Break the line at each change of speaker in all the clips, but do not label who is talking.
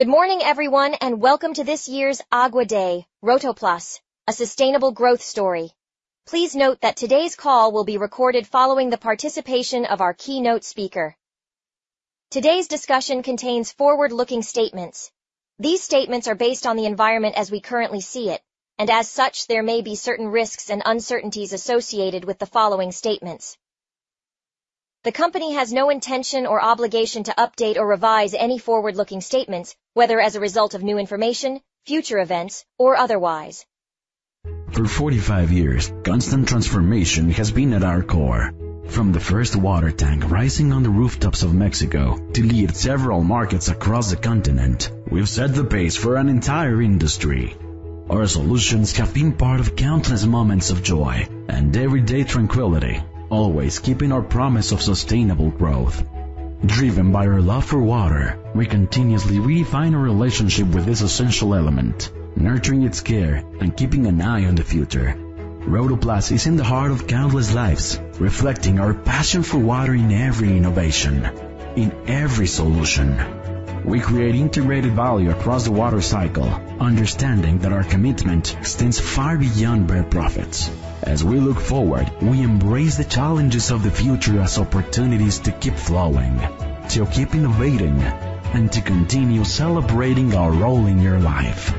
Good morning, everyone, and welcome to this year's AGUA Day, Rotoplas: A Sustainable Growth Story. Please note that today's call will be recorded following the participation of our keynote speaker. Today's discussion contains forward-looking statements. These statements are based on the environment as we currently see it, and as such, there may be certain risks and uncertainties associated with the following statements. The Company has no intention or obligation to update or revise any forward-looking statements, whether as a result of new information, future events, or otherwise.
For 45 years, constant transformation has been at our core. From the first water tank rising on the rooftops of Mexico to lead several markets across the continent, we've set the pace for an entire industry. Our solutions have been part of countless moments of joy and everyday tranquility, always keeping our promise of sustainable growth. Driven by our love for water, we continuously refine our relationship with this essential element, nurturing its care and keeping an eye on the future. Rotoplas is in the heart of countless lives, reflecting our passion for water in every innovation, in every solution. We create integrated value across the water cycle, understanding that our commitment extends far beyond bare profits. As we look forward, we embrace the challenges of the future as opportunities to keep flowing, to keep innovating, and to continue celebrating our role in your life.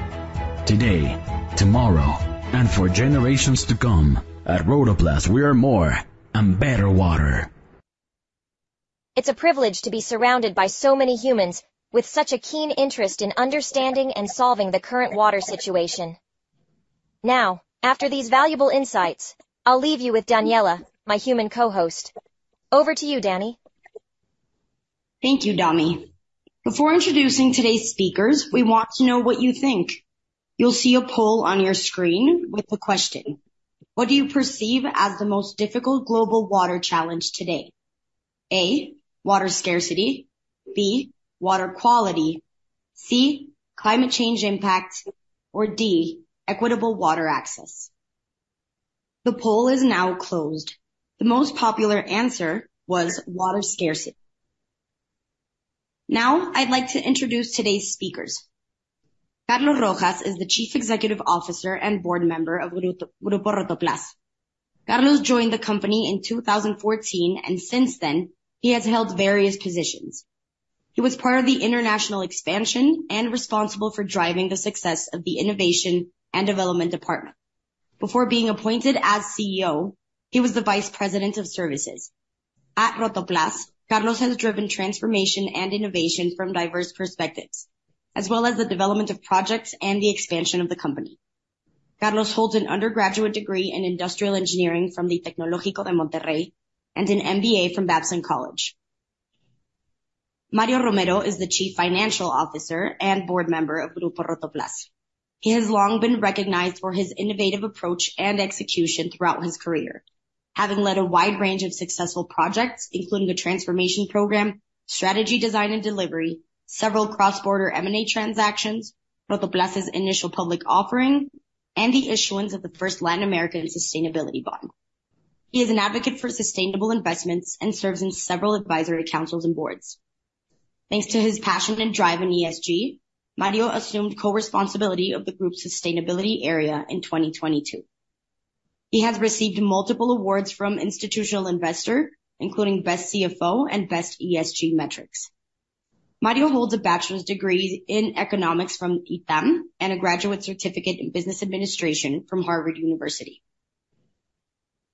Today, tomorrow, and for generations to come, at Rotoplas, we are more and better water.
It's a privilege to be surrounded by so many humans with such a keen interest in understanding and solving the current water situation. Now, after these valuable insights, I'll leave you with Daniela, my human co-host. Over to you, Daniela.
Thank you, Domi. Before introducing today's speakers, we want to know what you think. You'll see a poll on your screen with the question: What do you perceive as the most difficult global water challenge today? A, water scarcity, B, water quality, C, climate change impacts, or D, equitable water access. The poll is now closed. The most popular answer was water scarcity. Now, I'd like to introduce today's speakers. Carlos Rojas is the Chief Executive Officer and Board Member of Grupo Rotoplas. Carlos joined the Company in 2014, and since then, he has held various positions. He was part of the international expansion and responsible for driving the success of the Innovation and Development department. Before being appointed as CEO, he was the Vice President of Services. At Rotoplas, Carlos has driven transformation and innovation from diverse perspectives, as well as the development of projects and the expansion of the Company. Carlos holds an undergraduate degree in Industrial Engineering from the Tecnológico de Monterrey and an MBA from Babson College. Mario Romero is the Chief Financial Officer and Board Member of Grupo Rotoplas. He has long been recognized for his innovative approach and execution throughout his career, having led a wide range of successful projects, including a transformation program, strategy design, and delivery, several cross-border M&A transactions, Rotoplas' initial public offering, and the issuance of the first Latin American Sustainability Bond. He is an advocate for sustainable investments and serves in several advisory councils and boards. Thanks to his passion and drive in ESG, Mario assumed co-responsibility of the group's sustainability area in 2022. He has received multiple awards from Institutional Investor, including Best CFO and Best ESG Metrics. Mario holds a bachelor's degree in economics from ITAM and a graduate certificate in Business Administration from Harvard University.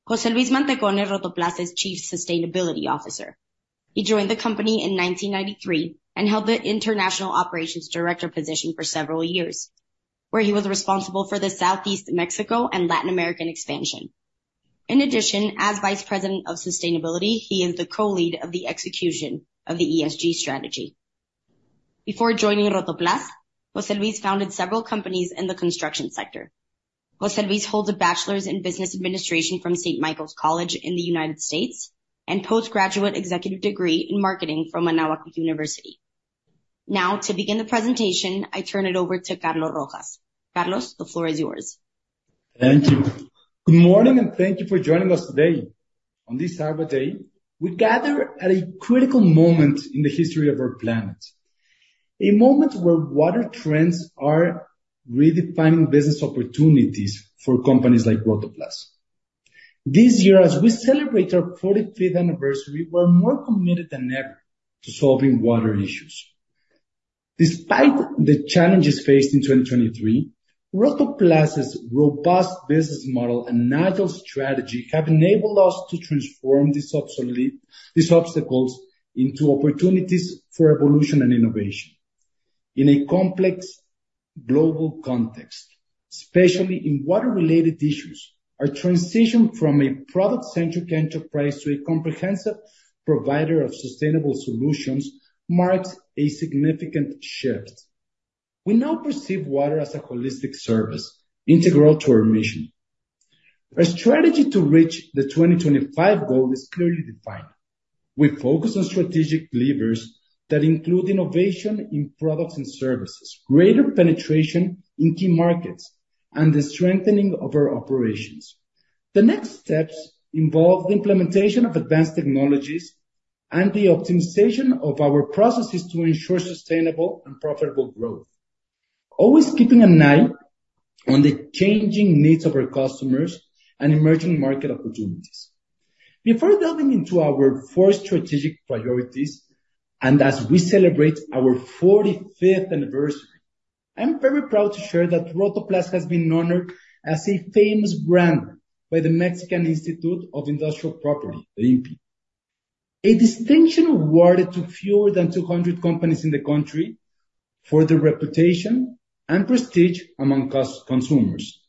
José Luis Mantecón is Rotoplas' Chief Sustainability Officer. He joined the Company in 1993 and held the International Operations Director position for several years, where he was responsible for the Southeast Mexico and Latin American expansion. In addition, as Vice President of Sustainability, he is the co-lead of the execution of the ESG strategy. Before joining Rotoplas, José Luis founded several companies in the construction sector. José Luis holds a Bachelor's in Business Administration from Saint Michael's College in the United States and Postgraduate Executive Degree in Marketing from Anáhuac University. Now, to begin the presentation, I turn it over to Carlos Rojas. Carlos, the floor is yours.
Thank you. Good morning, and thank you for joining us today. On this AGUA Day, we gather at a critical moment in the history of our planet, a moment where water trends are redefining business opportunities for companies like Rotoplas. This year, as we celebrate our 45th anniversary, we're more committed than ever to solving water issues. Despite the challenges faced in 2023, Rotoplas' robust business model and agile strategy have enabled us to transform these obstacles into opportunities for evolution and innovation. In a complex global context, especially in water-related issues, our transition from a product-centric enterprise to a comprehensive provider of sustainable solutions marks a significant shift. We now perceive water as a holistic service integral to our mission. Our strategy to reach the 2025 goal is clearly defined. We focus on strategic levers that include innovation in products and services, greater penetration in key markets, and the strengthening of our operations. The next steps involve the implementation of advanced technologies and the optimization of our processes to ensure sustainable and profitable growth. Always keeping an eye on the changing needs of our customers and emerging market opportunities. Before delving into our four strategic priorities, and as we celebrate our 45th anniversary, I'm very proud to share that Rotoplas has been honored as a Famous Brand by the Mexican Institute of Industrial Property (IMPI). A distinction awarded to fewer than 200 companies in the country for their reputation and prestige among consumers.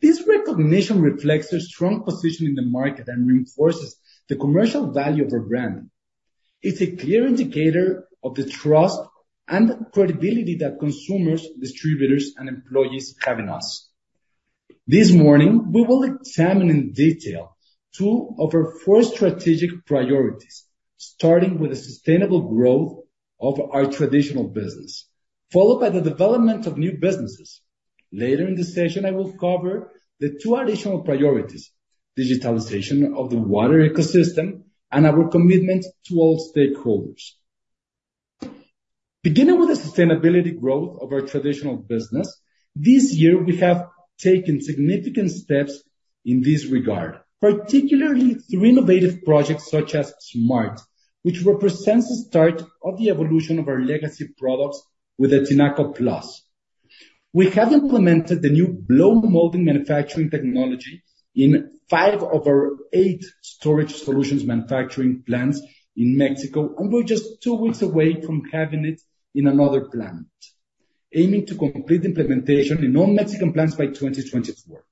This recognition reflects a strong position in the market and reinforces the commercial value of our brand. It's a clear indicator of the trust and credibility that consumers, distributors, and employees have in us. This morning, we will examine in detail two of our four strategic priorities, starting with the sustainable growth of our traditional business, followed by the development of new businesses. Later in the session, I will cover the two additional priorities: digitalization of the water ecosystem and our commitment to all stakeholders. Beginning with the sustainable growth of our traditional business, this year, we have taken significant steps in this regard, particularly through innovative projects such as SMART, which represents the start of the evolution of our legacy products with the Tinaco Plus. We have implemented the new blow molding manufacturing technology in five of our eight storage solutions manufacturing plants in Mexico, and we're just two weeks away from having it in another plant, aiming to complete implementation in all Mexican plants by 2024.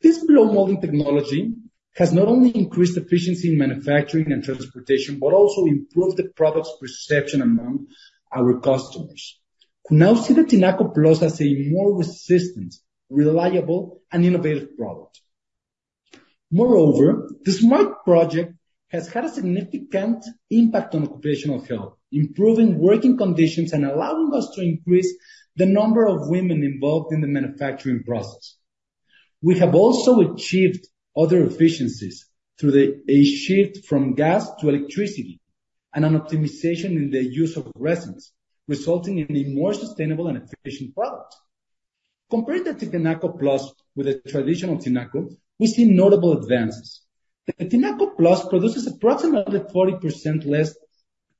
This blow molding technology has not only increased efficiency in manufacturing and transportation, but also improved the product's perception among our customers, who now see the Tinaco Plus as a more resistant, reliable, and innovative product. Moreover, the SMART project has had a significant impact on occupational health, improving working conditions and allowing us to increase the number of women involved in the manufacturing process. We have also achieved other efficiencies through a shift from gas to electricity and an optimization in the use of resins, resulting in a more sustainable and efficient product. Compared to Tinaco Plus with a traditional tinaco, we see notable advances. The Tinaco Plus produces approximately 40% less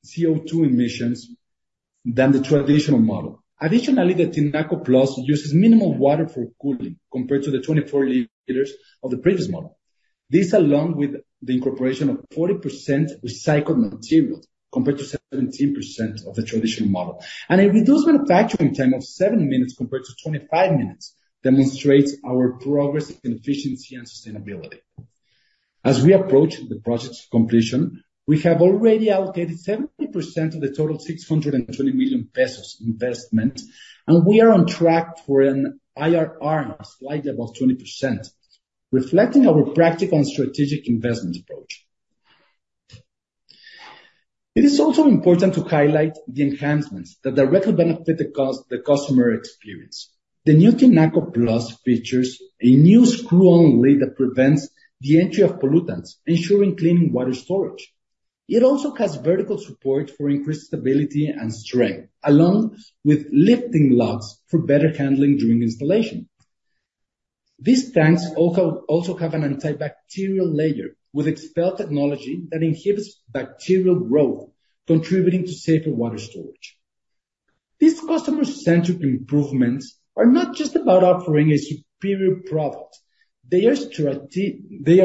CO2 emissions than the traditional model. Additionally, the Tinaco Plus uses minimal water for cooling compared to the 24 liters of the previous model. This, along with the incorporation of 40% recycled materials, compared to 17% of the traditional model, and a reduced manufacturing time of seven minutes compared to 25 minutes, demonstrates our progress in efficiency and sustainability. As we approach the project's completion, we have already allocated 70% of the total 620 million pesos investment, and we are on track for an IRR of slightly above 20%, reflecting our practical and strategic investment approach. It is also important to highlight the enhancements that directly benefit the customer experience. The new Tinaco Plus features a new screw-on lid that prevents the entry of pollutants, ensuring clean water storage. It also has vertical support for increased stability and strength, along with lifting lugs for better handling during installation. These tanks also have an antibacterial layer with Expell Technology that inhibits bacterial growth, contributing to safer water storage. These customer-centric improvements are not just about offering a superior product, they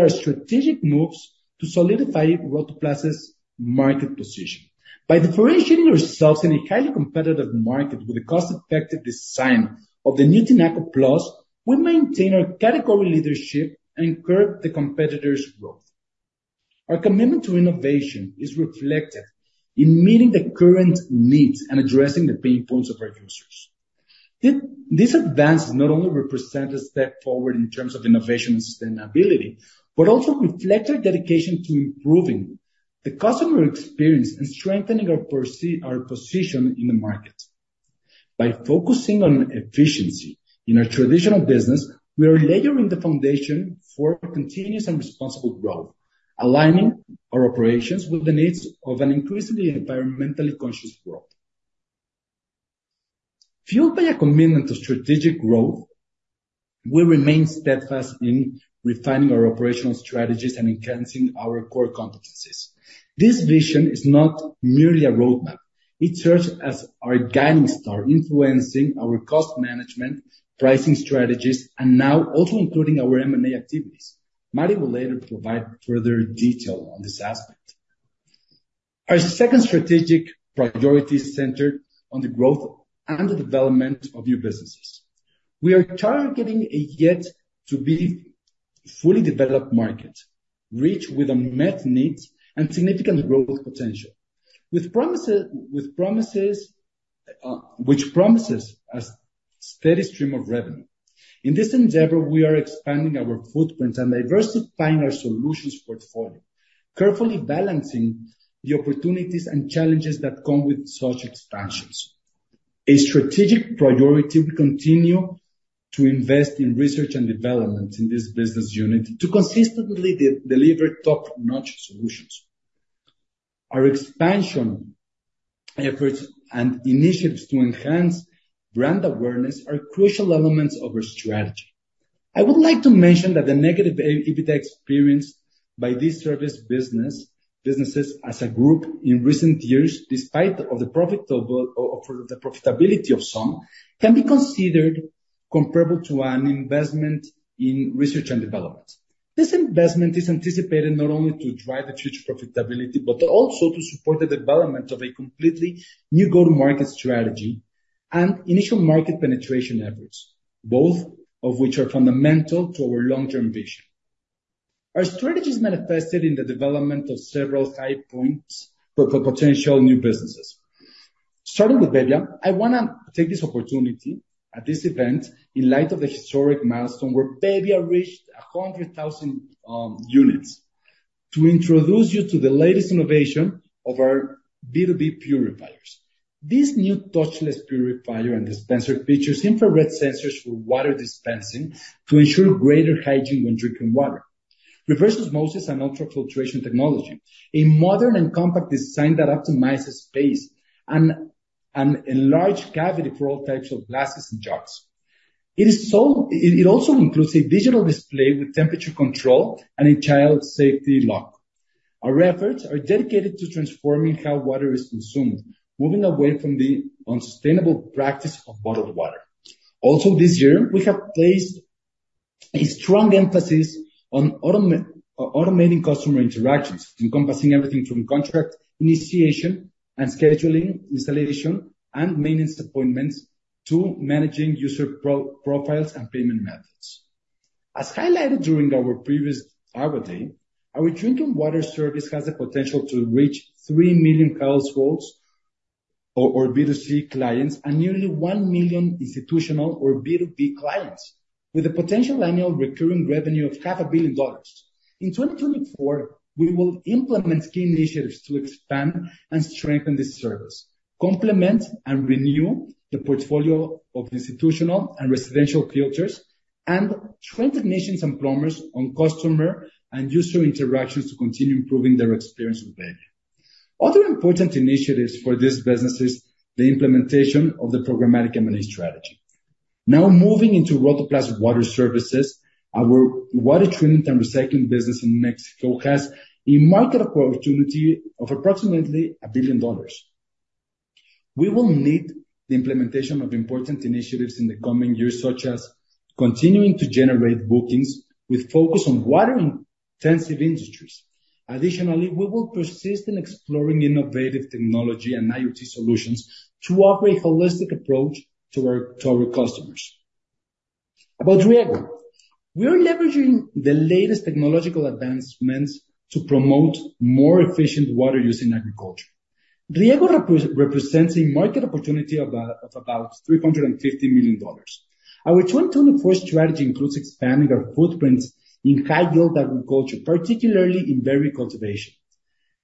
are strategic moves to solidify Rotoplas's market position. By differentiating ourselves in a highly competitive market with a cost-effective design of the new Tinaco Plus, we maintain our category leadership and incur the competitors' growth. Our commitment to innovation is reflected in meeting the current needs and addressing the pain points of our users. These advances not only represent a step forward in terms of innovation and sustainability, but also reflect our dedication to improving the customer experience and strengthening our position in the market. By focusing on efficiency in our traditional business, we are layering the foundation for continuous and responsible growth, aligning our operations with the needs of an increasingly environmentally conscious world. Fueled by a commitment to strategic growth, we remain steadfast in refining our operational strategies and enhancing our core competencies. This vision is not merely a roadmap. It serves as our guiding star, influencing our cost management, pricing strategies, and now also including our M&A activities. Mario will later provide further detail on this aspect. Our second strategic priority is centered on the growth and the development of new businesses. We are targeting a yet-to-be fully developed market, rich with unmet needs and significant growth potential. With promises, which promises a steady stream of revenue. In this endeavor, we are expanding our footprint and diversifying our solutions portfolio, carefully balancing the opportunities and challenges that come with such expansions. A strategic priority, we continue to invest in research and development in this business unit to consistently deliver top-notch solutions. Our expansion efforts and initiatives to enhance brand awareness are crucial elements of our strategy. I would like to mention that the negative EBITDA experienced by this service businesses as a group in recent years, despite the profitability of some, can be considered comparable to an investment in research and development. This investment is anticipated not only to drive the future profitability, but also to support the development of a completely new go-to-market strategy and initial market penetration efforts, both of which are fundamental to our long-term vision. Our strategy is manifested in the development of several high points for potential new businesses. Starting with bebbia, I wanna take this opportunity at this event, in light of the historic milestone where bebbia reached 100,000 units, to introduce you to the latest innovation of our B2B purifiers. This new touchless purifier and dispenser features infrared sensors for water dispensing to ensure greater hygiene when drinking water. Reverse osmosis and ultrafiltration technology, a modern and compact design that optimizes space, and a large cavity for all types of glasses and jars. It also includes a digital display with temperature control and a child safety lock. Our efforts are dedicated to transforming how water is consumed, moving away from the unsustainable practice of bottled water. This year, we have placed a strong emphasis on automating customer interactions, encompassing everything from contract initiation and scheduling, installation, and maintenance appointments, to managing user profiles and payment methods. As highlighted during our previous AGUA Day, our drinking water service has the potential to reach 3 million households or B2C clients, and nearly 1 million institutional or B2B clients, with a potential annual recurring revenue of $500 million. In 2024, we will implement key initiatives to expand and strengthen this service, complement and renew the portfolio of institutional and residential filters, and train technicians and plumbers on customer and user interactions to continue improving their experience with bebbia. Other important initiatives for this business is the implementation of the Programmatic M&A strategy. Now, moving into Rotoplas Water Services, our water treatment and recycling business in Mexico has a market opportunity of approximately $1 billion. We will need the implementation of important initiatives in the coming years, such as continuing to generate bookings with focus on water-intensive industries. Additionally, we will persist in exploring innovative technology and IoT solutions to offer a holistic approach to our customers. About rieggo. We are leveraging the latest technological advancements to promote more efficient water use in agriculture. Rieggo represents a market opportunity of about $350 million. Our 2024 strategy includes expanding our footprints in high-yield agriculture, particularly in berry cultivation.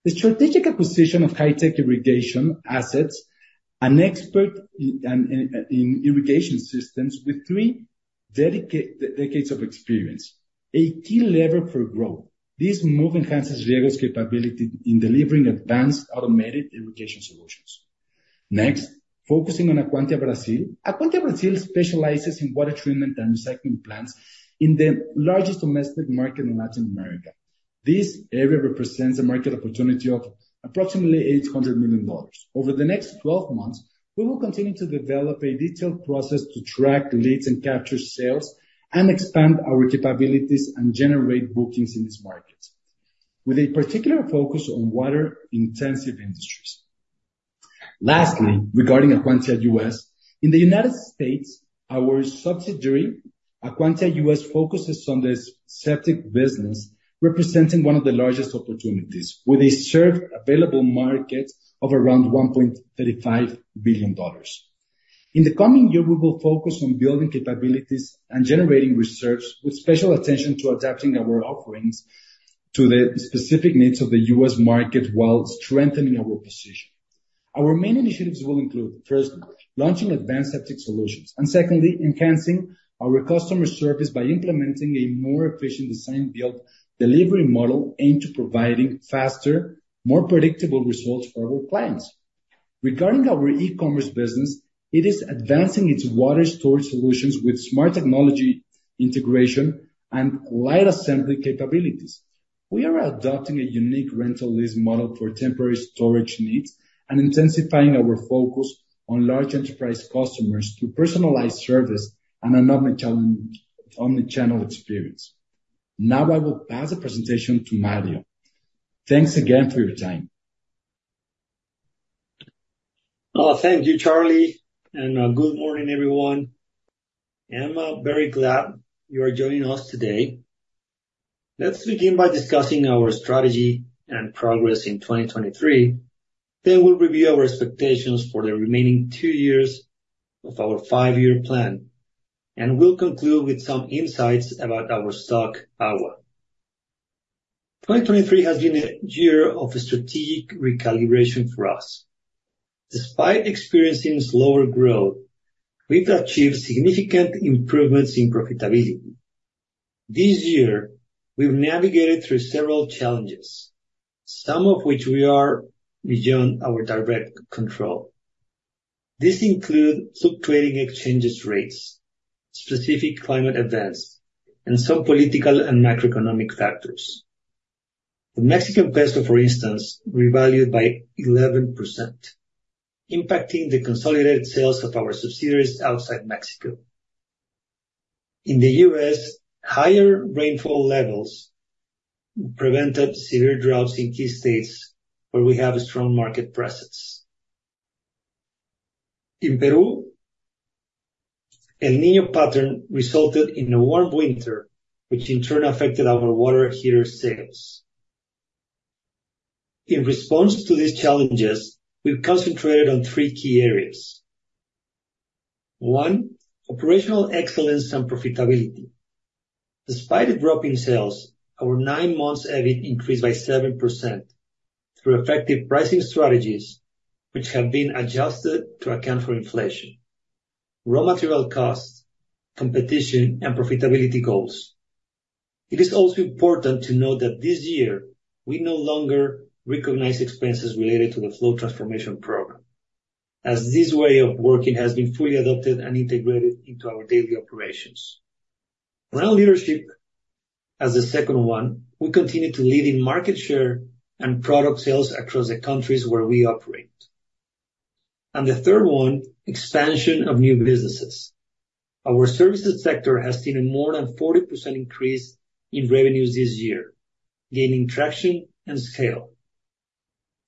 The strategic acquisition of Hi-Tech irrigation assets, an expert in irrigation systems with three decades of experience, a key lever for growth. This move enhances rieggo's capability in delivering advanced automated irrigation solutions. Next, focusing on Acuantia Brazil. Acuantia Brazil specializes in water treatment and recycling plants in the largest domestic market in Latin America. This area represents a market opportunity of approximately $800 million. Over the next 12 months, we will continue to develop a detailed process to track leads and capture sales, and expand our capabilities and generate bookings in this market, with a particular focus on water-intensive industries. Lastly, regarding Acuantia U.S.. In the United States, our subsidiary, Acuantia U.S., focuses on the septic business, representing one of the largest opportunities, with a served available market of around $1.35 billion. In the coming year, we will focus on building capabilities and generating research, with special attention to adapting our offerings to the specific needs of the U.S. market while strengthening our position. Our main initiatives will include, firstly, launching advanced septic solutions, and secondly, enhancing our customer service by implementing a more efficient Design/Build delivery model aimed to providing faster, more predictable results for our clients. Regarding our e-commerce business, it is advancing its water storage solutions with smart technology integration and light assembly capabilities. We are adopting a unique rental lease model for temporary storage needs and intensifying our focus on large enterprise customers through personalized service and an omni-channel, omni-channel experience. Now, I will pass the presentation to Mario. Thanks again for your time.
Oh, thank you, Charly, and, good morning, everyone. I'm very glad you are joining us today. Let's begin by discussing our strategy and progress in 2023. Then we'll review our expectations for the remaining two years of our five-year plan, and we'll conclude with some insights about our stock, AGUA. 2023 has been a year of strategic recalibration for us. Despite experiencing slower growth, we've achieved significant improvements in profitability. This year, we've navigated through several challenges, some of which we are beyond our direct control. These include fluctuating exchange rates, specific climate events, and some political and macroeconomic factors. The Mexican peso, for instance, revalued by 11%, impacting the consolidated sales of our subsidiaries outside Mexico. In the U.S., higher rainfall levels prevented severe droughts in key states where we have a strong market presence. In Peru, El Niño pattern resulted in a warm winter, which in turn affected our water heater sales. In response to these challenges, we've concentrated on three key areas. One, Operational Excellence and Profitability. Despite a drop in sales, our nine months EBIT increased by 7% through effective pricing strategies, which have been adjusted to account for inflation, raw material costs, competition, and profitability goals. It is also important to note that this year, we no longer recognize expenses related to the Flow transformation program, as this way of working has been fully adopted and integrated into our daily operations. Brand Leadership, as the second one, we continue to lead in market share and product sales across the countries where we operate. And the third one, Expansion of New businesses. Our services sector has seen a more than 40% increase in revenues this year, gaining traction and scale.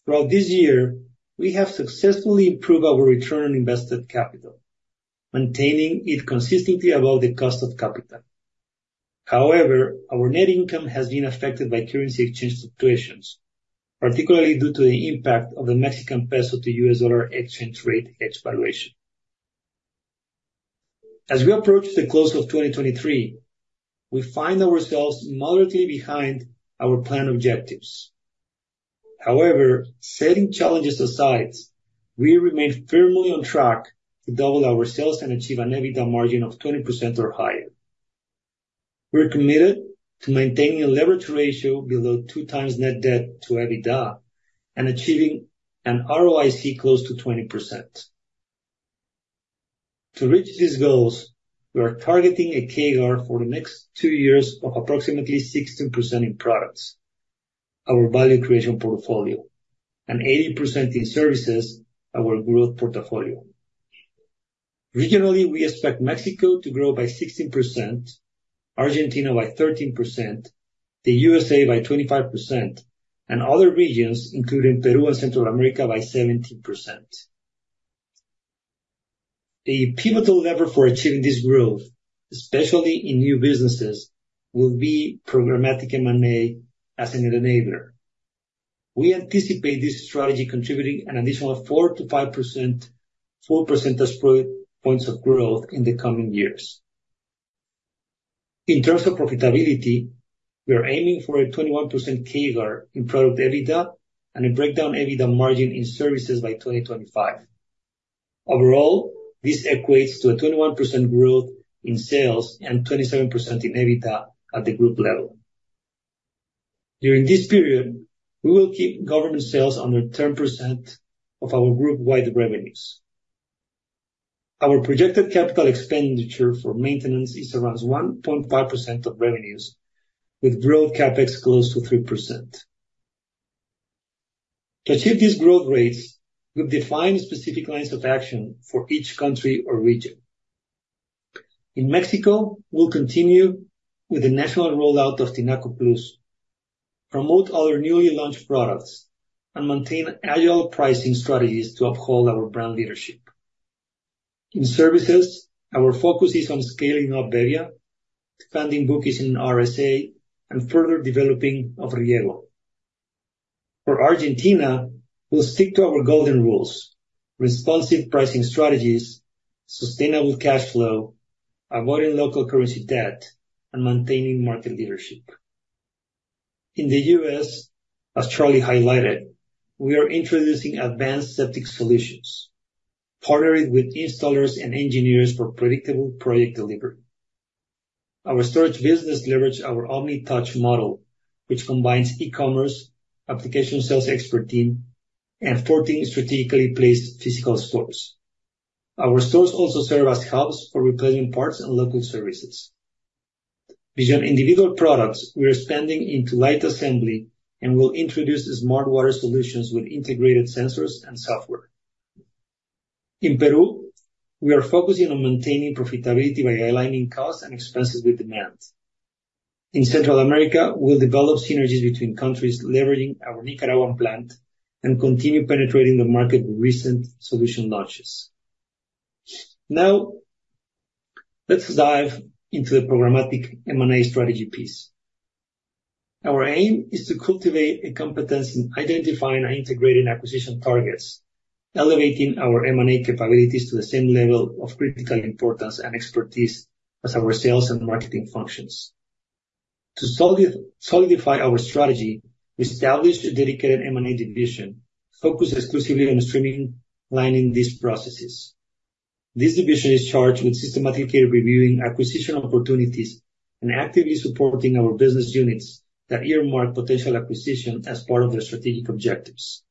Throughout this year, we have successfully improved our Return on Invested Capital, maintaining it consistently above the cost of capital. However, our net income has been affected by currency exchange fluctuations, particularly due to the impact of the Mexican peso to U.S. dollar exchange rate valuation. As we approach the close of 2023, we find ourselves moderately behind our planned objectives. However, setting challenges aside, we remain firmly on track to double our sales and achieve an EBITDA margin of 20% or higher. We're committed to maintaining a leverage ratio below 2x net debt to EBITDA and achieving an ROIC close to 20%. To reach these goals, we are targeting a CAGR for the next two years of approximately 16% in products, our value creation portfolio, and 80% in services, our growth portfolio. Regionally, we expect Mexico to grow by 16%, Argentina by 13%, the U.S.A. by 25%, and other regions, including Peru and Central America, by 17%. The pivotal lever for achieving this growth, especially in new businesses, will be Programmatic M&A as an enabler. We anticipate this strategy contributing an additional 4%-5%, 4 percentage points of growth in the coming years. In terms of profitability, we are aiming for a 21% CAGR in product EBITDA and a break-even EBITDA margin in services by 2025. Overall, this equates to a 21% growth in sales and 27% in EBITDA at the group level. During this period, we will keep government sales under 10% of our group-wide revenues. Our projected capital expenditure for maintenance is around 1.5% of revenues, with growth CapEx close to 3%. To achieve these growth rates, we've defined specific lines of action for each country or region. In Mexico, we'll continue with the national rollout of Tinaco Plus, promote our newly launched products, and maintain agile pricing strategies to uphold our brand leadership. In services, our focus is on scaling up bebbia, expanding bookings in RSA, and further developing of rieggo. For Argentina, we'll stick to our golden rules: responsive pricing strategies, sustainable cash flow, avoiding local currency debt, and maintaining market leadership. In the U.S., as Charly highlighted, we are introducing advanced septic solutions, partnering with installers and engineers for predictable project delivery. Our storage business leverages our Omnitouch model, which combines e-commerce, application sales expert team, and 14 strategically placed physical stores. Our stores also serve as hubs for replacing parts and local services. Beyond individual products, we are expanding into light assembly and will introduce smart water solutions with integrated sensors and software. In Peru, we are focusing on maintaining profitability by aligning costs and expenses with demand. In Central America, we'll develop synergies between countries, leveraging our Nicaraguan plant, and continue penetrating the market with recent solution launches. Now, let's dive into the Programmatic M&A strategy piece. Our aim is to cultivate a competence in identifying and integrating acquisition targets, elevating our M&A capabilities to the same level of critical importance and expertise as our sales and marketing functions. To solidify our strategy, we established a dedicated M&A division focused exclusively on streamlining these processes. This division is charged with systematically reviewing acquisition opportunities and actively supporting our business units that earmark potential acquisition as part of their strategic objectives.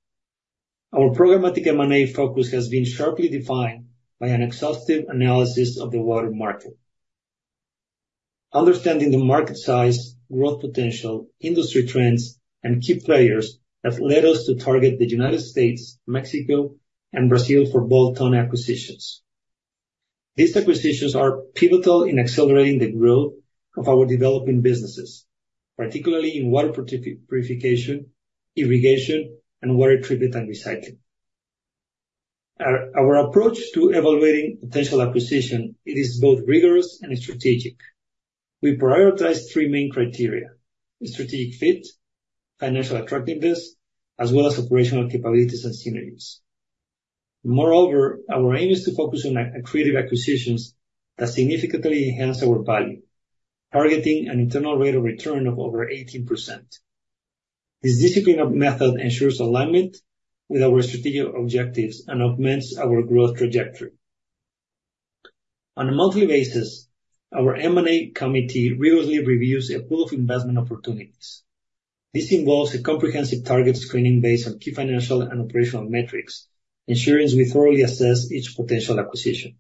Our Programmatic M&A focus has been sharply defined by an exhaustive analysis of the water market. Understanding the market size, growth potential, industry trends, and key players have led us to target the United States, Mexico, and Brazil for bolt-on acquisitions. These acquisitions are pivotal in accelerating the growth of our developing businesses, particularly in water purification, irrigation, and water treatment and recycling. Our approach to evaluating potential acquisition, it is both rigorous and strategic. We prioritize three main criteria: strategic fit, financial attractiveness, as well as operational capabilities and synergies. Moreover, our aim is to focus on accretive acquisitions that significantly enhance our value, targeting an internal rate of return of over 18%. This disciplined method ensures alignment with our strategic objectives and augments our growth trajectory. On a monthly basis, our M&A Committee rigorously reviews a pool of investment opportunities. This involves a comprehensive target screening based on key financial and operational metrics, ensuring we thoroughly assess each potential acquisition.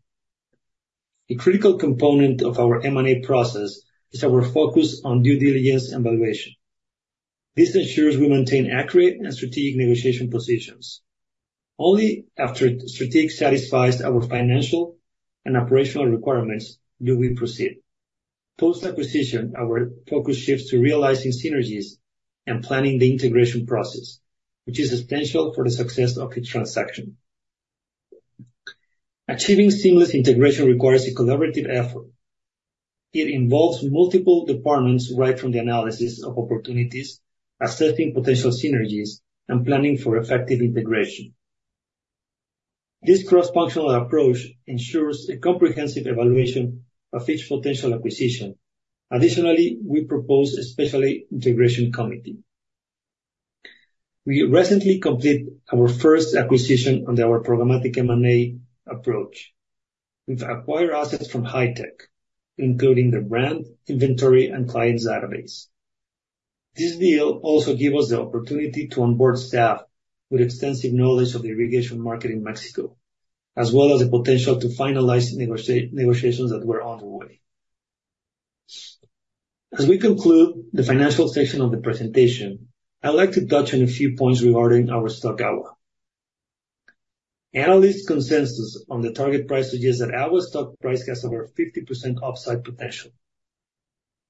A critical component of our M&A process is our focus on Due Diligence and Valuation. This ensures we maintain accurate and strategic negotiation positions. Only after strategic satisfies our financial and operational requirements, do we proceed. Post-acquisition, our focus shifts to realizing synergies and planning the integration process, which is essential for the success of the transaction. Achieving seamless integration requires a collaborative effort. It involves multiple departments, right from the analysis of opportunities, assessing potential synergies, and planning for effective integration. This cross-functional approach ensures a comprehensive evaluation of each potential acquisition. Additionally, we propose a specialized Integration Committee. We recently completed our first acquisition under our Programmatic M&A approach. We've acquired assets from Hi-Tech, including their brand, inventory, and client database. This deal also gives us the opportunity to onboard staff with extensive knowledge of the irrigation market in Mexico, as well as the potential to finalize negotiations that were underway. As we conclude the financial section of the presentation, I'd like to touch on a few points regarding our stock, AGUA. Analyst consensus on the target price suggests that AGUA's stock price has over 50% upside potential.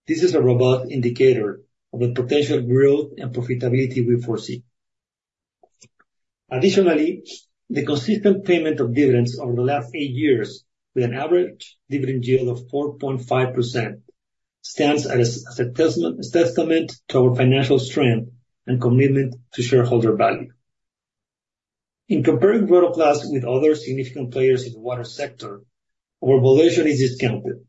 This is a robust indicator of the potential growth and profitability we foresee. Additionally, the consistent payment of dividends over the last eight years, with an average dividend yield of 4.5%, stands as a testament to our financial strength and commitment to shareholder value. In comparing Rotoplas with other significant players in the water sector, our valuation is discounted,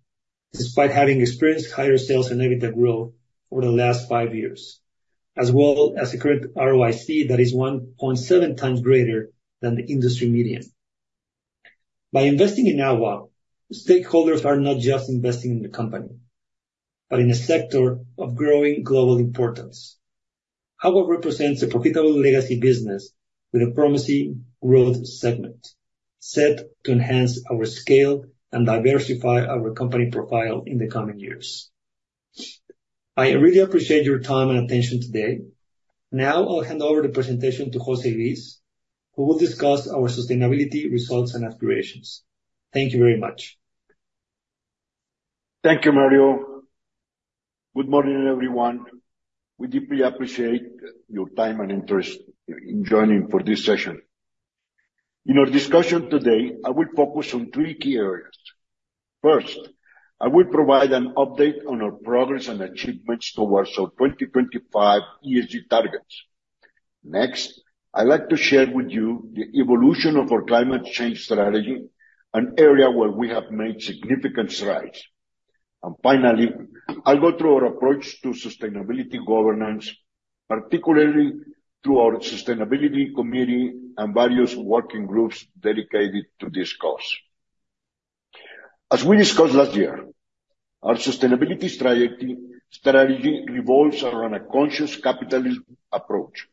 despite having experienced higher sales and EBITDA growth over the last five years, as well as a current ROIC that is 1.7x greater than the industry median. By investing in AGUA, stakeholders are not just investing in the Company, but in a sector of growing global importance. AGUA represents a profitable legacy business with a promising growth segment, set to enhance our scale and diversify our company profile in the coming years. I really appreciate your time and attention today. Now, I'll hand over the presentation to José Luis, who will discuss our Sustainability results and aspirations. Thank you very much.
Thank you, Mario. Good morning, everyone. We deeply appreciate your time and interest in joining for this session. In our discussion today, I will focus on three key areas. First, I will provide an update on our progress and achievements towards our 2025 ESG targets. Next, I'd like to share with you the evolution of our climate change strategy, an area where we have made significant strides. And finally, I'll go through our approach to sustainability governance, particularly through our Sustainability Committee and various working groups dedicated to this cause. As we discussed last year, our sustainability strategy, strategy revolves around a conscious capitalism approach,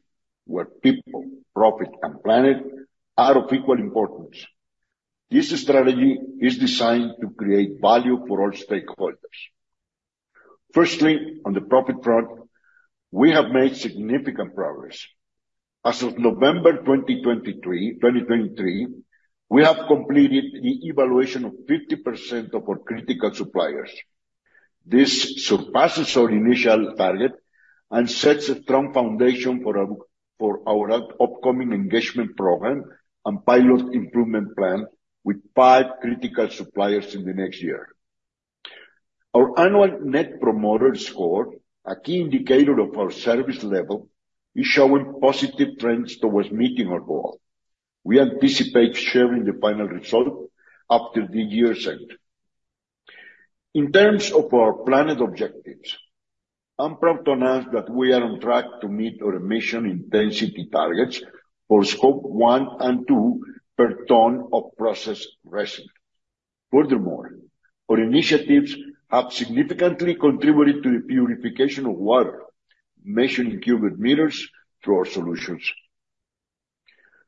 where people, profit, and planet are of equal importance. This strategy is designed to create value for all stakeholders. Firstly, on the profit front, we have made significant progress. As of November 2023, we have completed the evaluation of 50% of our critical suppliers. This surpasses our initial target and sets a strong foundation for our upcoming Engagement Program and Pilot Improvement Plan with five critical suppliers in the next year. Our Annual Net Promoter Score, a key indicator of our service level, is showing positive trends towards meeting our goal. We anticipate sharing the final result after the year's end. In terms of our planet objectives, I'm proud to announce that we are on track to meet our emission intensity targets for Scope 1 and 2 per ton of processed resin. Furthermore, our initiatives have significantly contributed to the purification of water, measuring cubic meters through our solutions.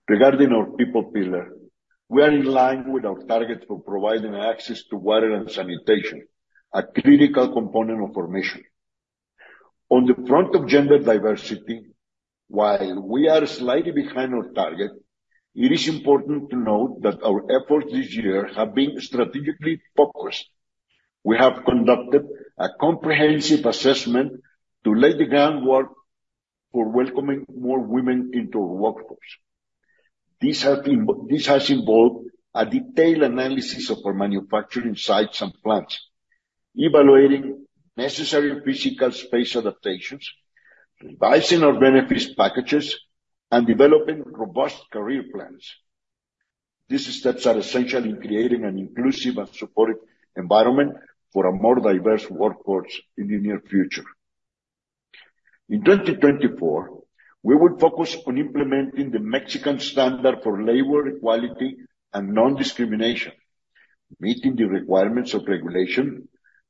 Regarding our people pillar, we are in line with our target for providing access to water and sanitation, a critical component of our mission. On the front of gender diversity, while we are slightly behind our target, it is important to note that our efforts this year have been strategically focused. We have conducted a comprehensive assessment to lay the groundwork for welcoming more women into our workforce. This has involved a detailed analysis of our manufacturing sites and plants, evaluating necessary physical space adaptations, revising our benefits packages, and developing robust career plans. These steps are essential in creating an inclusive and supportive environment for a more diverse workforce in the near future. In 2024, we will focus on implementing the Mexican Standard for Labor Equality and Non-Discrimination, meeting the requirements of regulation,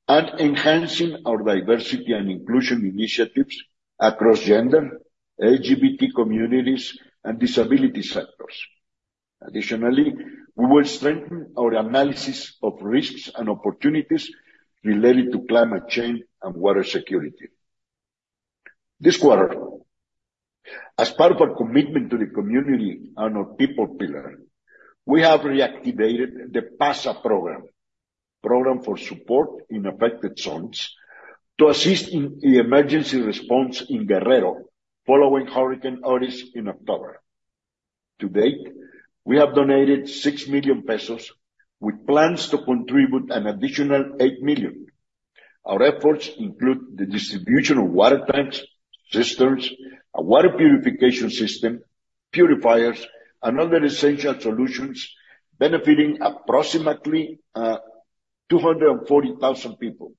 and enhancing our diversity and inclusion initiatives across gender, LGBT communities, and disability sectors. Additionally, we will strengthen our analysis of risks and opportunities related to climate change and water security. This quarter, as part of our commitment to the community and our people pillar, we have reactivated the PAZA program, Program for Support in Affected Zones, to assist in the emergency response in Guerrero following Hurricane Otis in October. To date, we have donated 6 million pesos, with plans to contribute an additional 8 million. Our efforts include the distribution of water tanks, cisterns, a water purification system, purifiers, and other essential solutions benefiting approximately 240,000 people.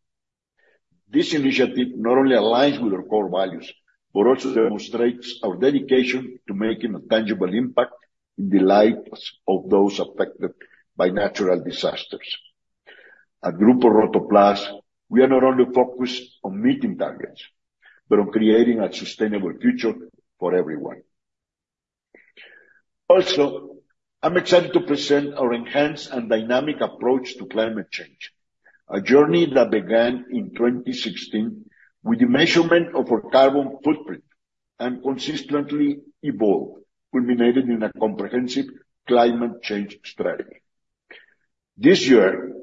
This initiative not only aligns with our core values, but also demonstrates our dedication to making a tangible impact in the lives of those affected by natural disasters. At Grupo Rotoplas, we are not only focused on meeting targets, but on creating a sustainable future for everyone. Also, I'm excited to present our enhanced and dynamic approach to climate change, a journey that began in 2016 with the measurement of our carbon footprint and consistently evolved, culminating in a comprehensive climate change strategy. This year,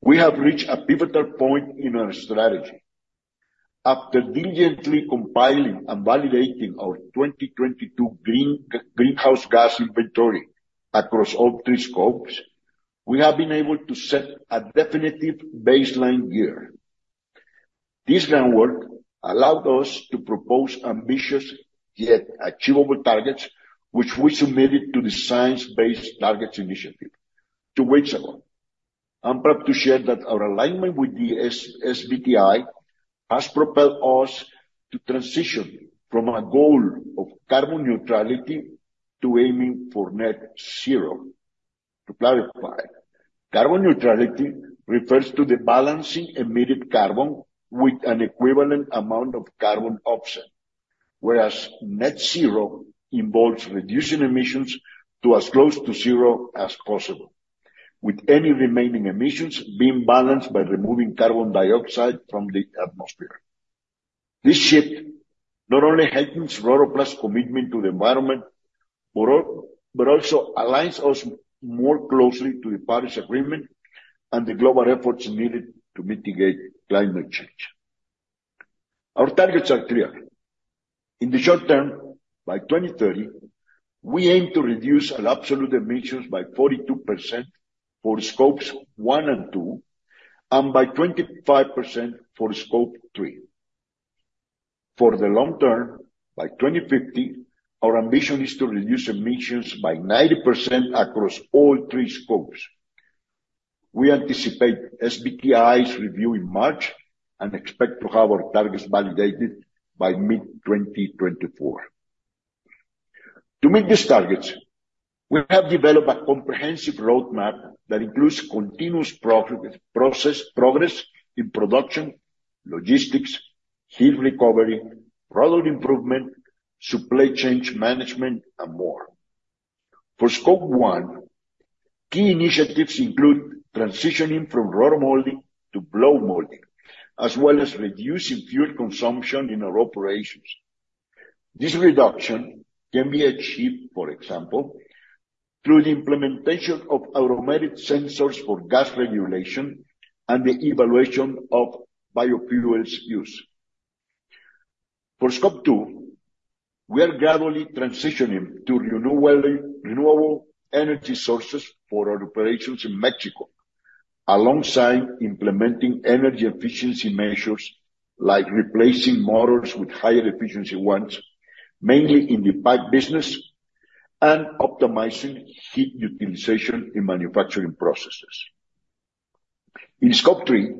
we have reached a pivotal point in our strategy. After diligently compiling and validating our 2022 greenhouse gas inventory across all three scopes, we have been able to set a definitive baseline year. This groundwork allowed us to propose ambitious, yet achievable targets, which we submitted to the Science-Based Targets Initiative, to which I'm proud to share that our alignment with the SBTi has propelled us to transition from a goal of carbon neutrality to aiming for net zero. To clarify, carbon neutrality refers to the balancing emitted carbon with an equivalent amount of carbon offset, whereas net zero involves reducing emissions to as close to zero as possible, with any remaining emissions being balanced by removing carbon dioxide from the atmosphere. This shift not only heightens Rotoplas' commitment to the environment, but also aligns us more closely to the Paris Agreement and the global efforts needed to mitigate climate change. Our targets are clear. In the short term, by 2030, we aim to reduce our absolute emissions by 42% for Scope 1 and 2, and by 25% for Scope 3. For the long term, by 2050, our ambition is to reduce emissions by 90% across all three scopes. We anticipate SBTi's review in March and expect to have our targets validated by mid-2024. To meet these targets, we have developed a comprehensive roadmap that includes continuous progress in production, logistics, heat recovery, product improvement, supply chain management, and more. For Scope 1, key initiatives include transitioning from roto molding to blow molding, as well as reducing fuel consumption in our operations. This reduction can be achieved, for example, through the implementation of automatic sensors for gas regulation and the evaluation of biofuels use. For Scope 2, we are gradually transitioning to renewable energy sources for our operations in Mexico, alongside implementing energy efficiency measures, like replacing motors with higher efficiency ones, mainly in the pipe business, and optimizing heat utilization in manufacturing processes. In Scope 3,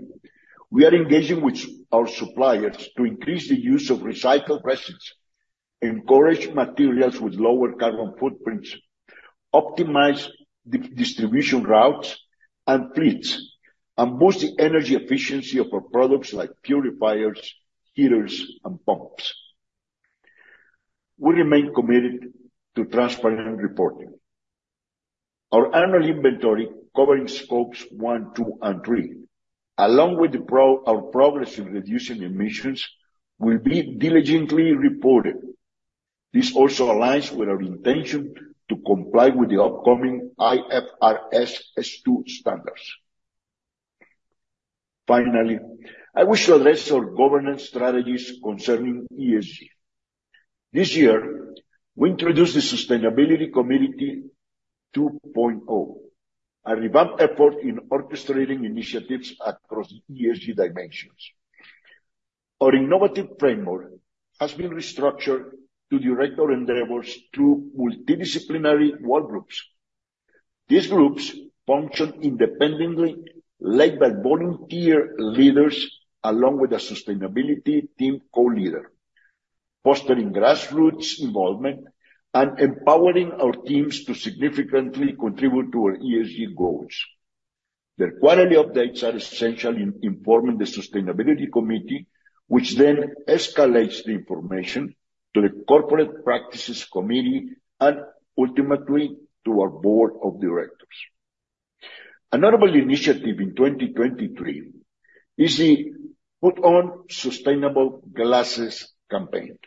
we are engaging with our suppliers to increase the use of recycled resins, encourage materials with lower carbon footprints, optimize distribution routes and fleets, and boost the energy efficiency of our products like purifiers, heaters, and pumps. We remain committed to transparent reporting. Our annual inventory, covering Scopes 1, 2, and 3, along with our progress in reducing emissions, will be diligently reported. This also aligns with our intention to comply with the upcoming IFRS S2 standards. Finally, I wish to address our governance strategies concerning ESG. This year, we introduced the Sustainability Committee 2.0, a revamped effort in orchestrating initiatives across ESG dimensions. Our innovative framework has been restructured to direct our endeavors through multidisciplinary work groups. These groups function independently, led by volunteer leaders, along with a sustainability team co-leader, fostering grassroots involvement and empowering our teams to significantly contribute to our ESG goals. Their quarterly updates are essential in informing the Sustainability Committee, which then escalates the information to the Corporate Practices Committee and ultimately to our Board of Directors. A notable initiative in 2023 is the Put On Sustainable Glasses campaign.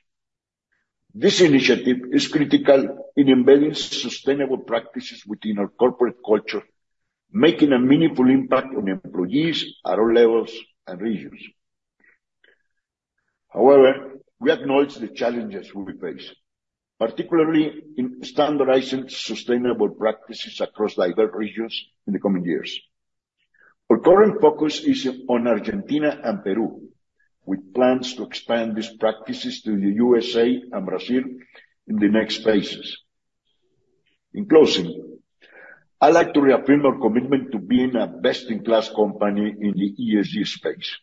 This initiative is critical in embedding sustainable practices within our corporate culture, making a meaningful impact on employees at all levels and regions. However, we acknowledge the challenges we face, particularly in standardizing sustainable practices across diverse regions in the coming years. Our current focus is on Argentina and Peru, with plans to expand these practices to the U.S.A. and Brazil in the next phases. In closing, I'd like to reaffirm our commitment to being a best-in-class Company in the ESG space.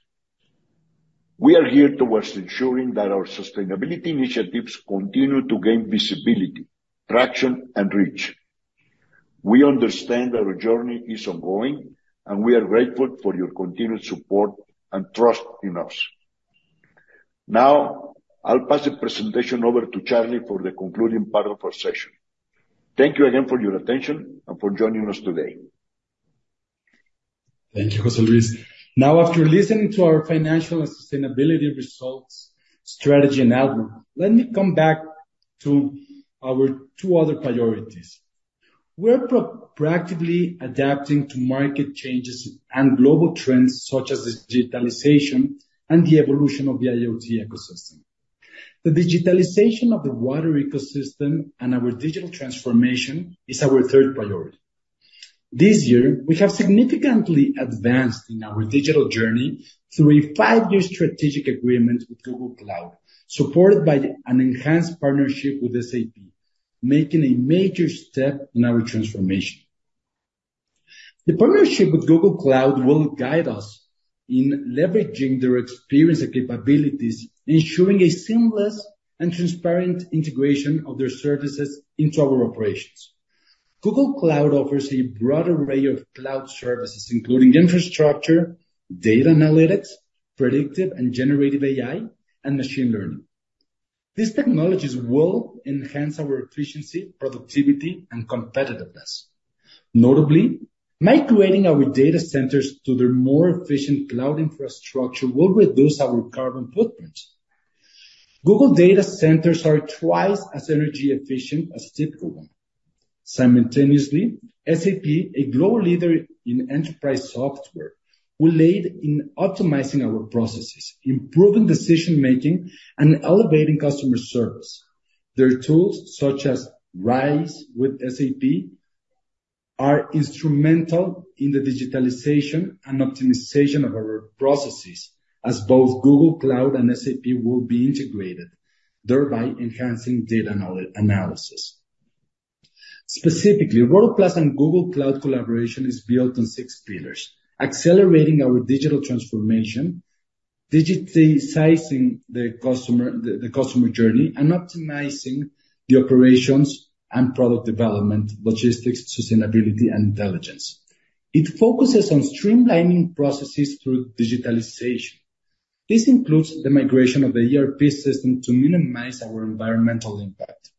We are here towards ensuring that our sustainability initiatives continue to gain visibility, traction, and reach. We understand that our journey is ongoing, and we are grateful for your continued support and trust in us. Now, I'll pass the presentation over to Charly for the concluding part of our session. Thank you again for your attention and for joining us today.
Thank you, José Luis. Now, after listening to our financial and sustainability results, strategy, and outlook, let me come back to our two other priorities. We're proactively adapting to market changes and global trends, such as digitalization and the evolution of the IoT ecosystem. The digitalization of the water ecosystem and our digital transformation is our third priority. This year, we have significantly advanced in our digital journey through a five-year strategic agreement with Google Cloud, supported by an enhanced partnership with SAP, making a major step in our transformation. The partnership with Google Cloud will guide us in leveraging their experience and capabilities, ensuring a seamless and transparent integration of their services into our operations. Google Cloud offers a broad array of cloud services, including infrastructure, data analytics, predictive and generative AI, and machine learning. These technologies will enhance our efficiency, productivity, and competitiveness. Notably, migrating our data centers to their more efficient cloud infrastructure will reduce our carbon footprint. Google Data Centers are twice as energy efficient as typical one. Simultaneously, SAP, a global leader in enterprise software, will aid in optimizing our processes, improving decision-making, and elevating customer service. Their tools, such as RISE with SAP, are instrumental in the digitalization and optimization of our processes, as both Google Cloud and SAP will be integrated, thereby enhancing data analysis. Specifically, Rotoplas and Google Cloud collaboration is built on six pillars: accelerating our digital transformation, digitizing the customer journey, and optimizing the operations and product development, logistics, sustainability, and intelligence. It focuses on streamlining processes through digitalization. This includes the migration of the ERP system to minimize our environmental impact,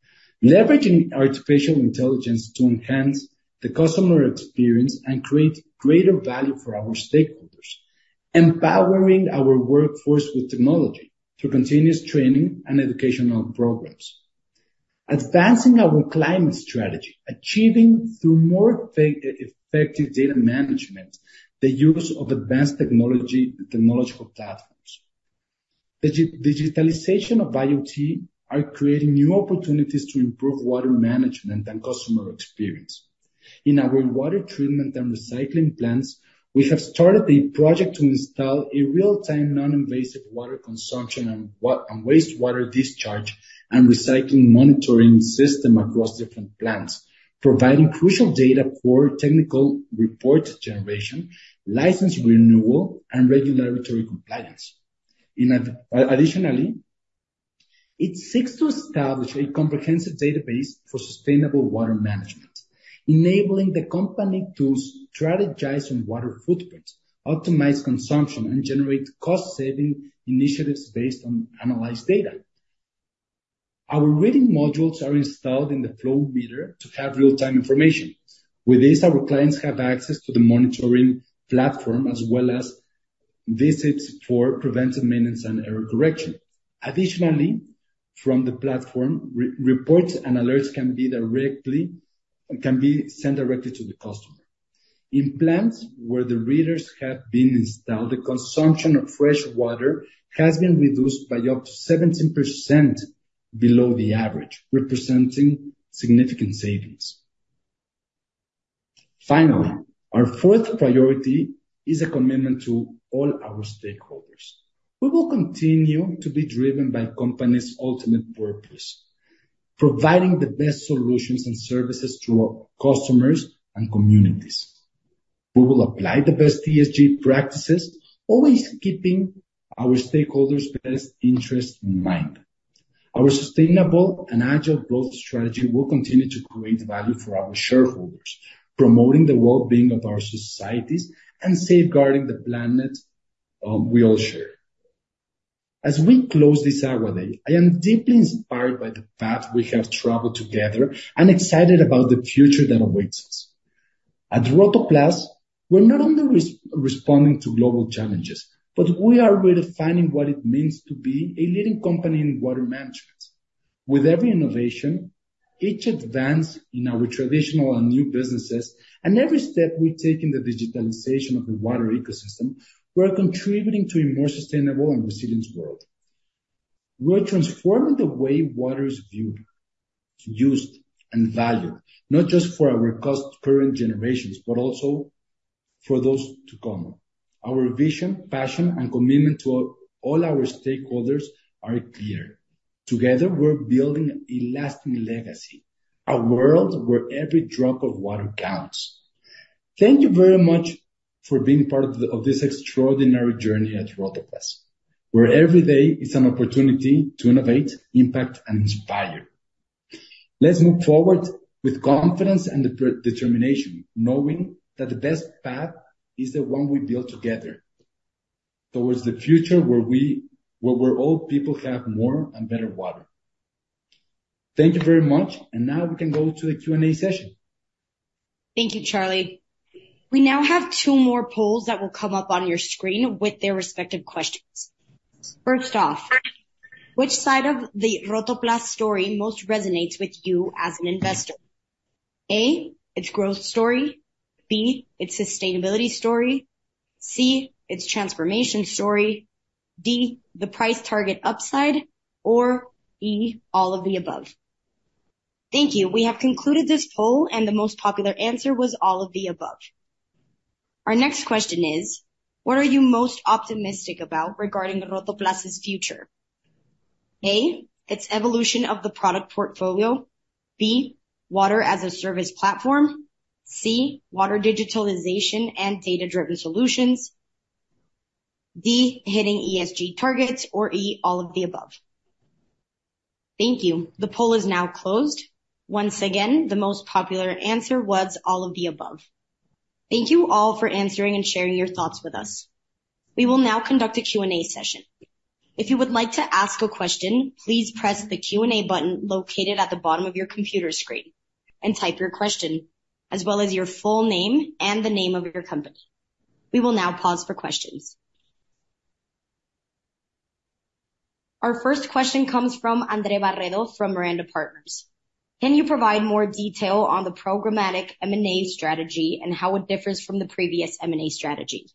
leveraging artificial intelligence to enhance the customer experience and create greater value for our stakeholders, empowering our workforce with technology through continuous training and educational programs. Advancing our climate strategy, achieving through more effective data management, the use of advanced technology, technological platforms. Digitalization of IoT are creating new opportunities to improve water management and customer experience. In our water treatment and recycling plants, we have started a project to install a real-time, non-invasive water consumption and wastewater discharge and recycling monitoring system across different plants, providing crucial data for technical report generation, license renewal, and regulatory compliance. Additionally, it seeks to establish a comprehensive database for sustainable water management, enabling the Company to strategize on water footprints, optimize consumption, and generate cost-saving initiatives based on analyzed data. Our reading modules are installed in the flow meter to have real-time information. With this, our clients have access to the monitoring platform, as well as visits for preventive maintenance and error correction. Additionally, from the platform, reports and alerts can be sent directly to the customer. In plants where the readers have been installed, the consumption of fresh water has been reduced by up to 17% below the average, representing significant savings. Finally, our fourth priority is a commitment to all our stakeholders. We will continue to be driven by company's ultimate purpose, providing the best solutions and services to our customers and communities. We will apply the best ESG practices, always keeping our stakeholders' best interests in mind. Our sustainable and agile growth strategy will continue to create value for our shareholders, promoting the well-being of our societies and safeguarding the planet we all share. As we close this AGUA Day, I am deeply inspired by the path we have traveled together and excited about the future that awaits us. At Rotoplas, we're not only responding to global challenges, but we are redefining what it means to be a leading company in water management. With every innovation, each advance in our traditional and new businesses, and every step we take in the digitalization of the water ecosystem, we are contributing to a more sustainable and resilient world. We are transforming the way water is viewed, used, and valued, not just for our current generations, but also for those to come. Our vision, passion, and commitment to all our stakeholders are clear. Together, we're building a lasting legacy, a world where every drop of water counts. Thank you very much for being part of this extraordinary journey at Rotoplas, where every day is an opportunity to innovate, impact, and inspire. Let's move forward with confidence and determination, knowing that the best path is the one we build together towards the future, where all people have more and better water. Thank you very much, and now we can go to the Q&A session.
Thank you, Charly. We now have two more polls that will come up on your screen with their respective questions. First off, which side of the Rotoplas story most resonates with you as an investor? A, its growth story, B, its sustainability story, C, its transformation story, D, the price target upside, or E, all of the above. Thank you. We have concluded this poll, and the most popular answer was all of the above. Our next question is: What are you most optimistic about regarding Rotoplas's future? A, its evolution of the product portfolio, B, water-as-a-service platform, C, water digitalization and data-driven solutions, D, hitting ESG targets, or E, all of the above. Thank you. The poll is now closed. Once again, the most popular answer was all of the above. Thank you all for answering and sharing your thoughts with us. We will now conduct a Q&A session. If you would like to ask a question, please press the Q&A button located at the bottom of your computer screen and type your question, as well as your full name and the name of your Company. We will now pause for questions. Our first question comes from André Barredo from Miranda Partners. Can you provide more detail on the Programmatic M&A strategy and how it differs from the previous M&A strategy?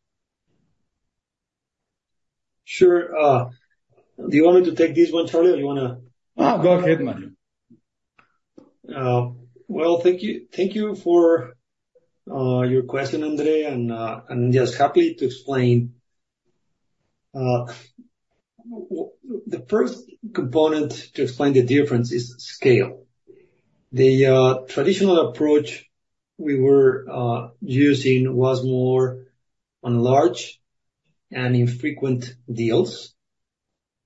Sure, do you want me to take this one, Charly, or you wanna-
No, go ahead, Mario.
Well, thank you. Thank you for your question, André, and I'm just happy to explain. The first component to explain the difference is scale. The traditional approach we were using was more on large and infrequent deals.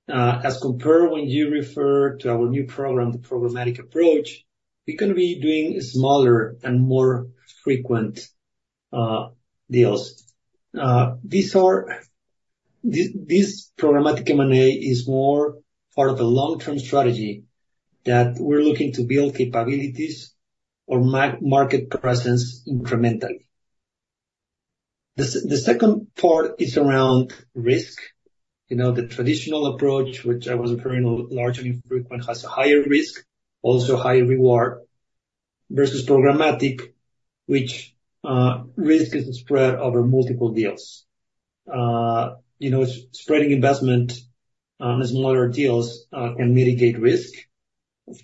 As compared, when you refer to our new program, the Programmatic approach, we're gonna be doing smaller and more frequent deals. This Programmatic M&A is more part of a long-term strategy that we're looking to build capabilities or market presence incrementally. The second part is around risk. You know, the traditional approach, which I was referring to, largely frequent, has a higher risk, also higher reward, versus programmatic, which risk is spread over multiple deals. You know, spreading investment in smaller deals can mitigate risk.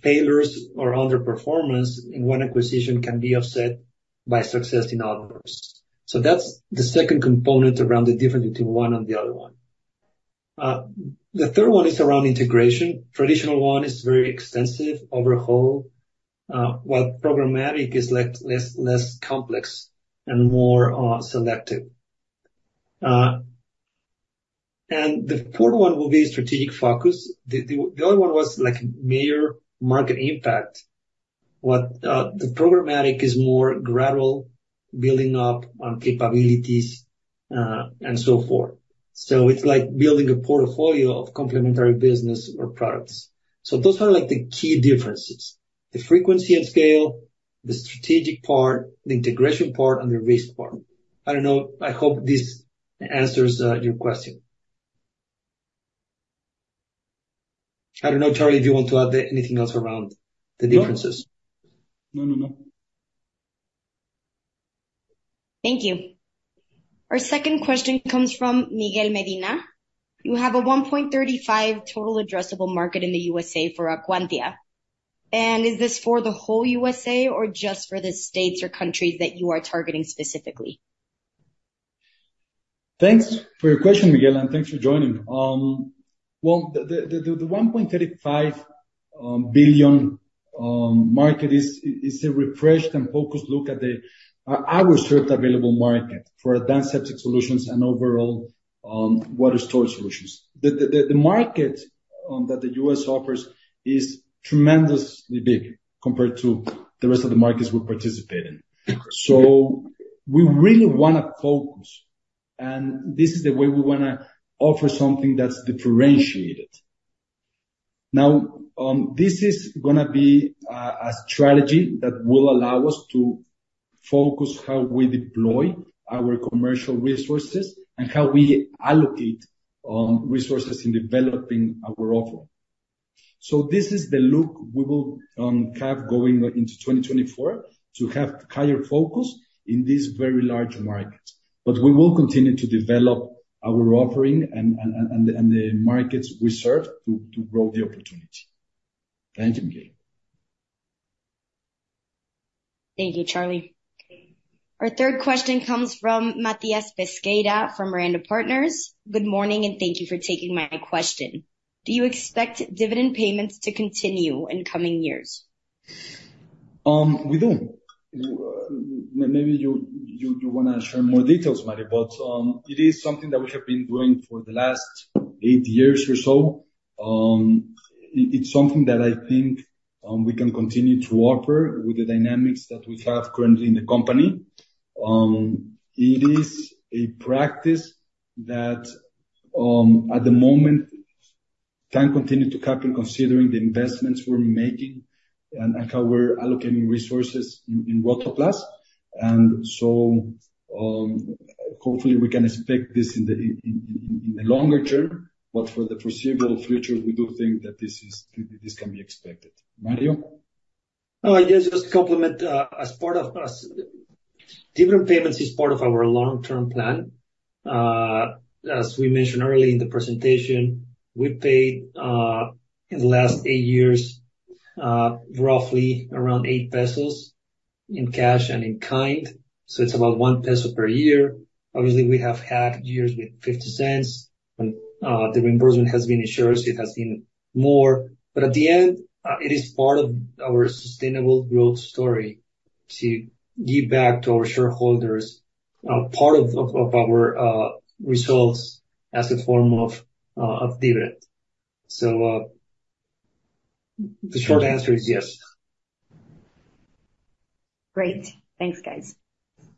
Failures or underperformance in one acquisition can be offset by success in others. So that's the second component around the difference between one and the other one. The third one is around integration. Traditional one is very extensive, overhaul, while programmatic is like less, less complex and more, selective. And the fourth one will be strategic focus. The other one was like major market impact, but the programmatic is more gradual, building up on capabilities, and so forth. So it's like building a portfolio of complementary business or products. So those are like the key differences, the frequency and scale, the strategic part, the integration part, and the risk part. I don't know. I hope this answers your question. I don't know, Charly, if you want to add anything else around the differences.
No, no, no.
Thank you. Our second question comes from Miguel Medina. You have a $1.35 total addressable market in the U.S.A. for Acuantia, and is this for the whole U.S.A. or just for the states or countries that you are targeting specifically?
Thanks for your question, Miguel, and thanks for joining. Well, the $1.35 billion market is a refreshed and focused look at our served available market for advanced septic solutions and overall water storage solutions. The market that the U.S. offers is tremendously big compared to the rest of the markets we participate in. So we really wanna focus, and this is the way we wanna offer something that's differentiated. Now, this is gonna be a strategy that will allow us to focus how we deploy our commercial resources and how we allocate resources in developing our offering. So this is the look we will have going into 2024, to have higher focus in this very large market. But we will continue to develop our offering and the markets we serve to grow the opportunity. Thank you, Miguel.
Thank you, Charly. Our third question comes from Matías Pesqueira, from Miranda Partners. Good morning, and thank you for taking my question. Do you expect dividend payments to continue in coming years?
We do. Maybe you wanna share more details, Mario, but it is something that we have been doing for the last eight years or so. It’s something that I think we can continue to offer with the dynamics that we have currently in the Company. It is a practice that at the moment can continue to happen considering the investments we're making and how we're allocating resources in Rotoplas. Hopefully we can expect this in the longer term, but for the foreseeable future, we do think that this can be expected. Mario?
Oh, yeah, just to complement, as part of dividend payments is part of our long-term plan. As we mentioned earlier in the presentation, we paid in the last eight years roughly around 8 pesos in cash and in kind, so it's about 1 peso per year. Obviously, we have had years with 0.50, when the reimbursement has been in shares it has been more. But at the end, it is part of our sustainable growth story to give back to our shareholders part of our results as a form of dividend. So, the short answer is yes.
Great. Thanks, guys.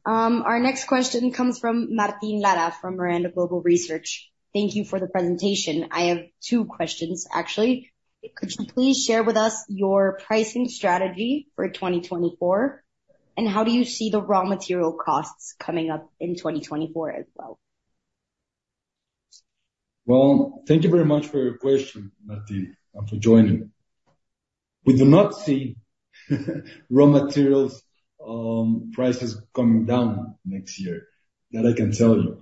Our next question comes from Martin Lara from Miranda Global Research. Thank you for the presentation. I have two questions, actually. Could you please share with us your pricing strategy for 2024, and how do you see the raw material costs coming up in 2024 as well?
Well, thank you very much for your question, Martin, and for joining. We do not see raw materials prices coming down next year. That I can tell you.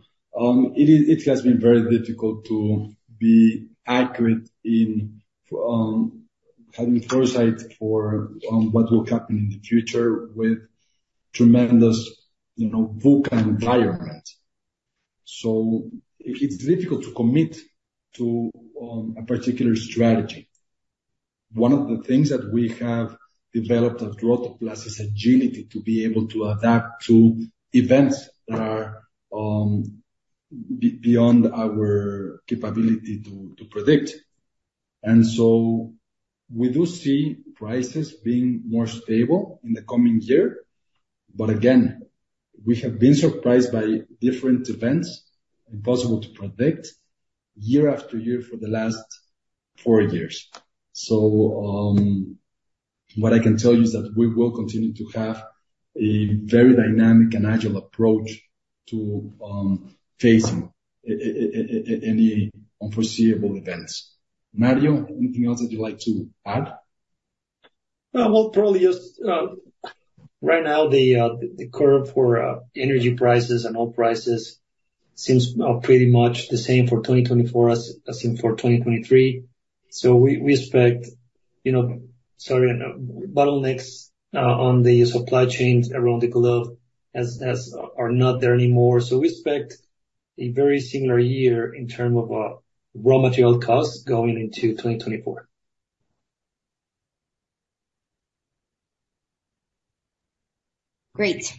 It is, it has been very difficult to be accurate in having foresight for what will happen in the future with tremendous, you know, VUCA environment. So it's difficult to commit to a particular strategy. One of the things that we have developed at Rotoplas is agility, to be able to adapt to events that are beyond our capability to predict. And so we do see prices being more stable in the coming year. But again, we have been surprised by different events, impossible to predict, year after year for the last four years. So... What I can tell you is that we will continue to have a very dynamic and agile approach to facing any unforeseeable events. Mario, anything else that you'd like to add?
Well, probably just right now, the curve for energy prices and oil prices seems pretty much the same for 2024 as in for 2023. So we, we expect, you know, sorry, bottlenecks on the supply chains around the globe as are not there anymore. So we expect a very similar year in terms of raw material costs going into 2024.
Great,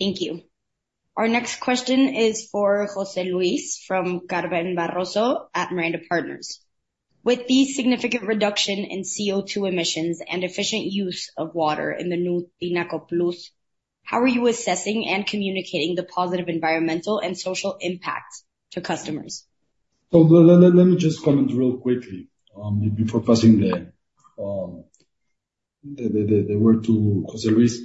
thank you. Our next question is for José Luis from Carmen Barroso at Miranda Partners. With the significant reduction in CO2 emissions and efficient use of water in the new Tinaco Plus, how are you assessing and communicating the positive environmental and social impact to customers?
So let me just comment real quickly before passing the word to José Luis.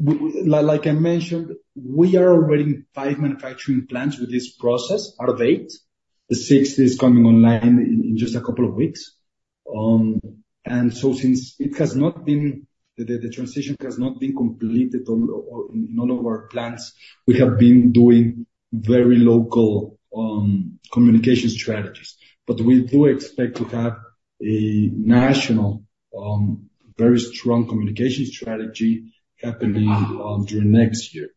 Like I mentioned, we are already five manufacturing plants with this process are eight, the sixth is coming online in just a couple of weeks. And so since it has not been the transition has not been completed in all of our plants, we have been doing very local communication strategies. But we do expect to have a national very strong communication strategy happening during next year.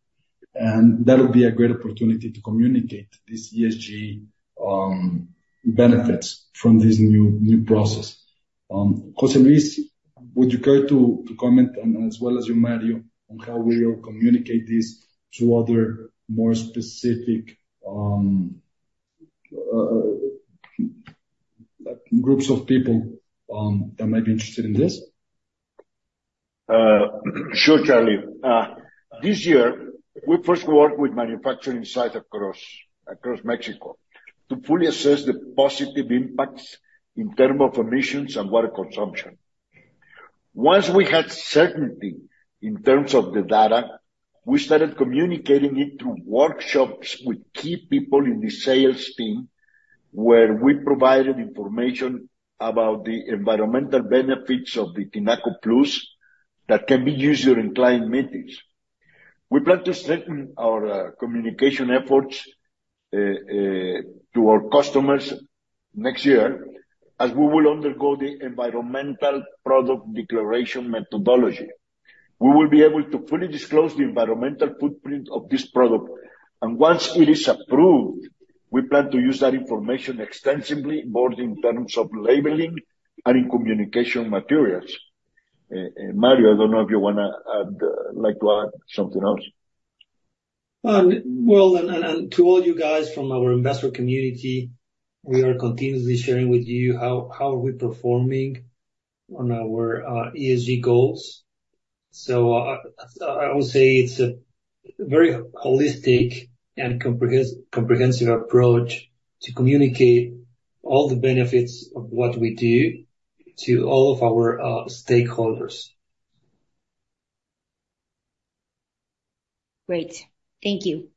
And that would be a great opportunity to communicate this ESG benefits from this new process. José Luis, would you care to comment on, as well as you, Mario, on how we will communicate this to other more specific groups of people that might be interested in this?
Sure, Charly. This year, we first worked with manufacturing sites across Mexico to fully assess the positive impacts in terms of emissions and water consumption. Once we had certainty in terms of the data, we started communicating it through workshops with key people in the sales team, where we provided information about the environmental benefits of the Tinaco Plus that can be used during client meetings. We plan to strengthen our communication efforts to our customers next year, as we will undergo the environmental product declaration methodology. We will be able to fully disclose the environmental footprint of this product, and once it is approved, we plan to use that information extensively, both in terms of labeling and in communication materials. Mario, I don't know if you wanna, like to add something else.
Well, and to all you guys from our investor community, we are continuously sharing with you how we are performing on our ESG goals. So I would say it's a very holistic and comprehensive approach to communicate all the benefits of what we do to all of our stakeholders.
Great. Thank you.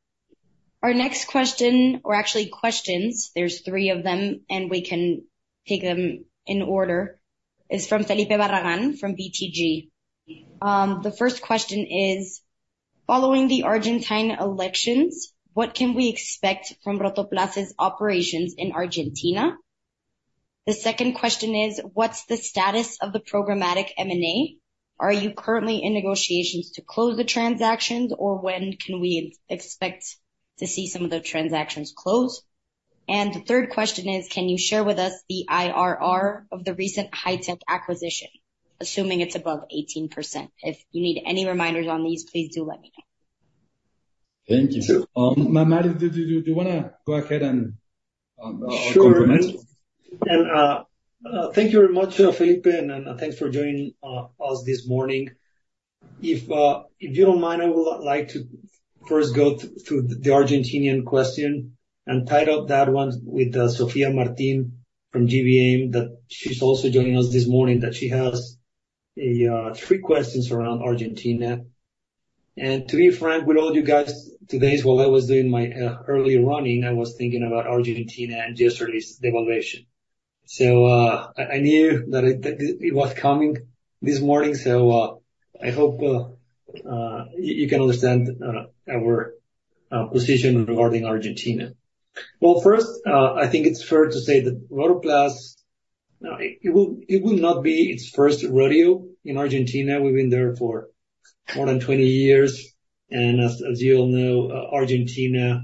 Our next question, or actually questions, there's three of them, and we can take them in order, is from Felipe Barragan, from BTG. The first question is: Following the Argentine elections, what can we expect from Rotoplas's operations in Argentina? The second question is: What's the status of the Programmatic M&A? Are you currently in negotiations to close the transactions, or when can we expect to see some of the transactions close? And the third question is: Can you share with us the IRR of the recent Hi-Tech acquisition, assuming it's above 18%? If you need any reminders on these, please do let me know.
Thank you. Mario, do you wanna go ahead and comment?
Sure. And thank you very much, Felipe, and thanks for joining us this morning. If you don't mind, I would like to first go through the Argentinian question and tie up that one from Sofia Martin from GBM, that she's also joining us this morning, that she has three questions around Argentina. And to be frank with all you guys, today, while I was doing my early running, I was thinking about Argentina and yesterday's devaluation. So I knew that it was coming this morning, so I hope you can understand our position regarding Argentina. Well, first, I think it's fair to say that Rotoplas, it will not be its first rodeo in Argentina. We've been there for more than 20 years, and as you all know, Argentina,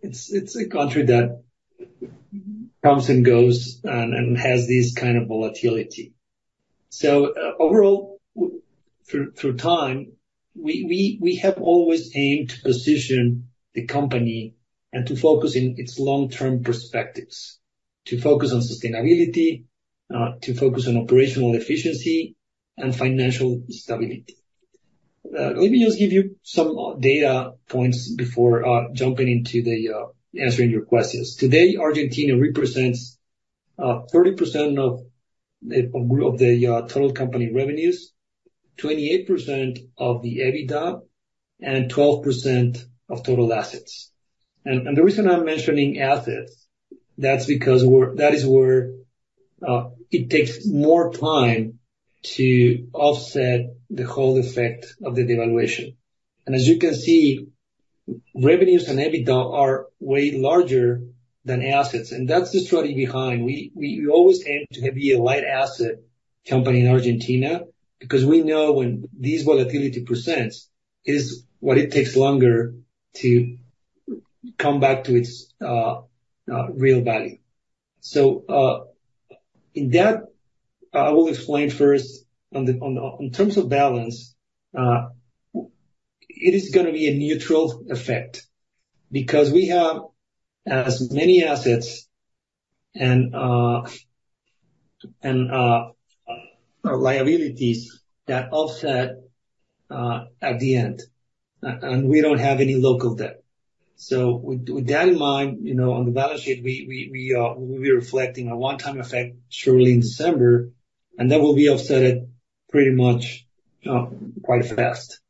it's a country that comes and goes and has this kind of volatility. So overall, through time, we have always aimed to position the Company and to focus on its long-term perspectives, to focus on sustainability, to focus on operational efficiency and financial stability. Let me just give you some data points before jumping into answering your questions. Today, Argentina represents 30% of the total Company revenues, 28% of the EBITDA, and 12% of total assets. And the reason I'm mentioning assets, that's because we're- that is where it takes more time to offset the whole effect of the devaluation. As you can see, revenues and EBITDA are way larger than assets, and that's the strategy behind. We always aim to be a light asset Company in Argentina because we know when this volatility presents, is what it takes longer to come back to its real value. So, in that, I will explain first in terms of balance, it is gonna be a neutral effect because we have as many assets and liabilities that offset at the end, and we don't have any local debt. So with that in mind, you know, on the balance sheet, we'll be reflecting a one-time effect shortly in December, and that will be offsetted pretty much quite fast.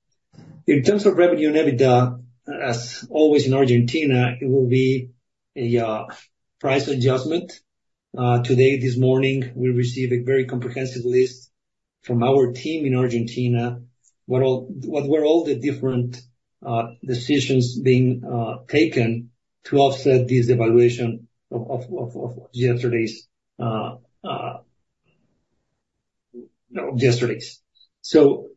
In terms of revenue and EBITDA, as always in Argentina, it will be a price adjustment. Today, this morning, we received a very comprehensive list from our team in Argentina, what were all the different decisions being taken to offset this devaluation of yesterday's. So,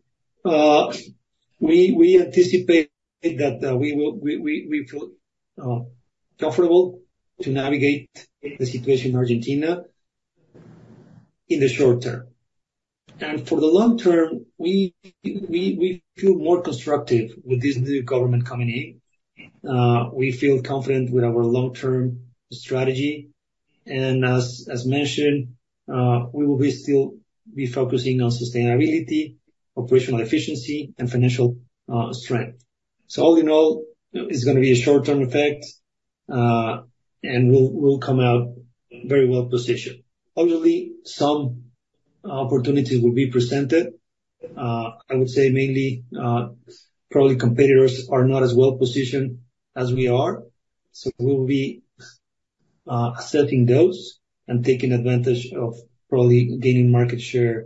we anticipate that we will feel comfortable to navigate the situation in Argentina in the short term. And for the long term, we feel more constructive with this new government coming in. We feel confident with our long-term strategy, and as mentioned, we will still be focusing on sustainability, operational efficiency, and financial strength. So all in all, it's gonna be a short-term effect, and we'll come out very well-positioned. Obviously, some opportunities will be presented. I would say mainly, probably competitors are not as well-positioned as we are, so we'll be accepting those and taking advantage of probably gaining market share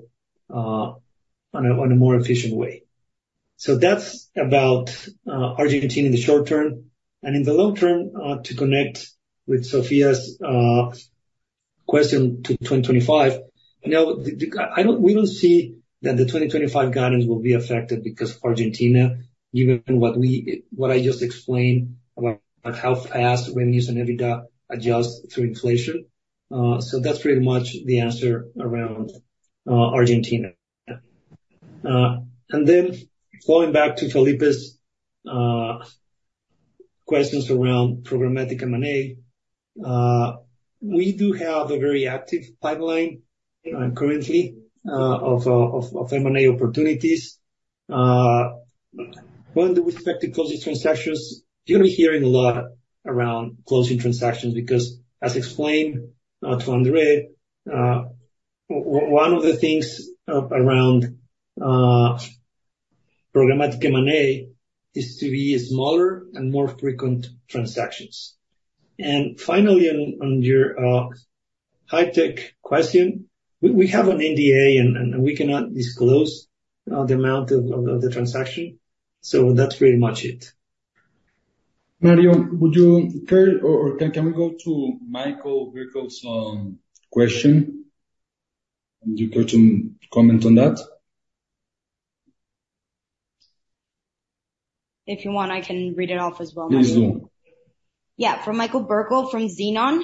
on a more efficient way. So that's about Argentina in the short term, and in the long term, to connect with Sofia's question to 2025, you know, the- I don't... we don't see that the 2025 guidance will be affected because Argentina, given what I just explained about how fast revenues and EBITDA adjust through inflation. So that's pretty much the answer around Argentina. And then going back to Felipe's questions around Programmatic M&A. We do have a very active pipeline currently of M&A opportunities. When do we expect to close these transactions? You'll be hearing a lot around closing transactions, because as explained to André, one of the things around Programmatic M&A is to be smaller and more frequent transactions. Finally, on your Hi-Tech question, we have an NDA, and we cannot disclose the amount of the transaction. So that's pretty much it.
Mario, would you care or can we go to Michael Bürkle's question? Would you care to comment on that?
If you want, I can read it off as well.
Please do.
Yeah. From Michael Bürkle, from Zeno.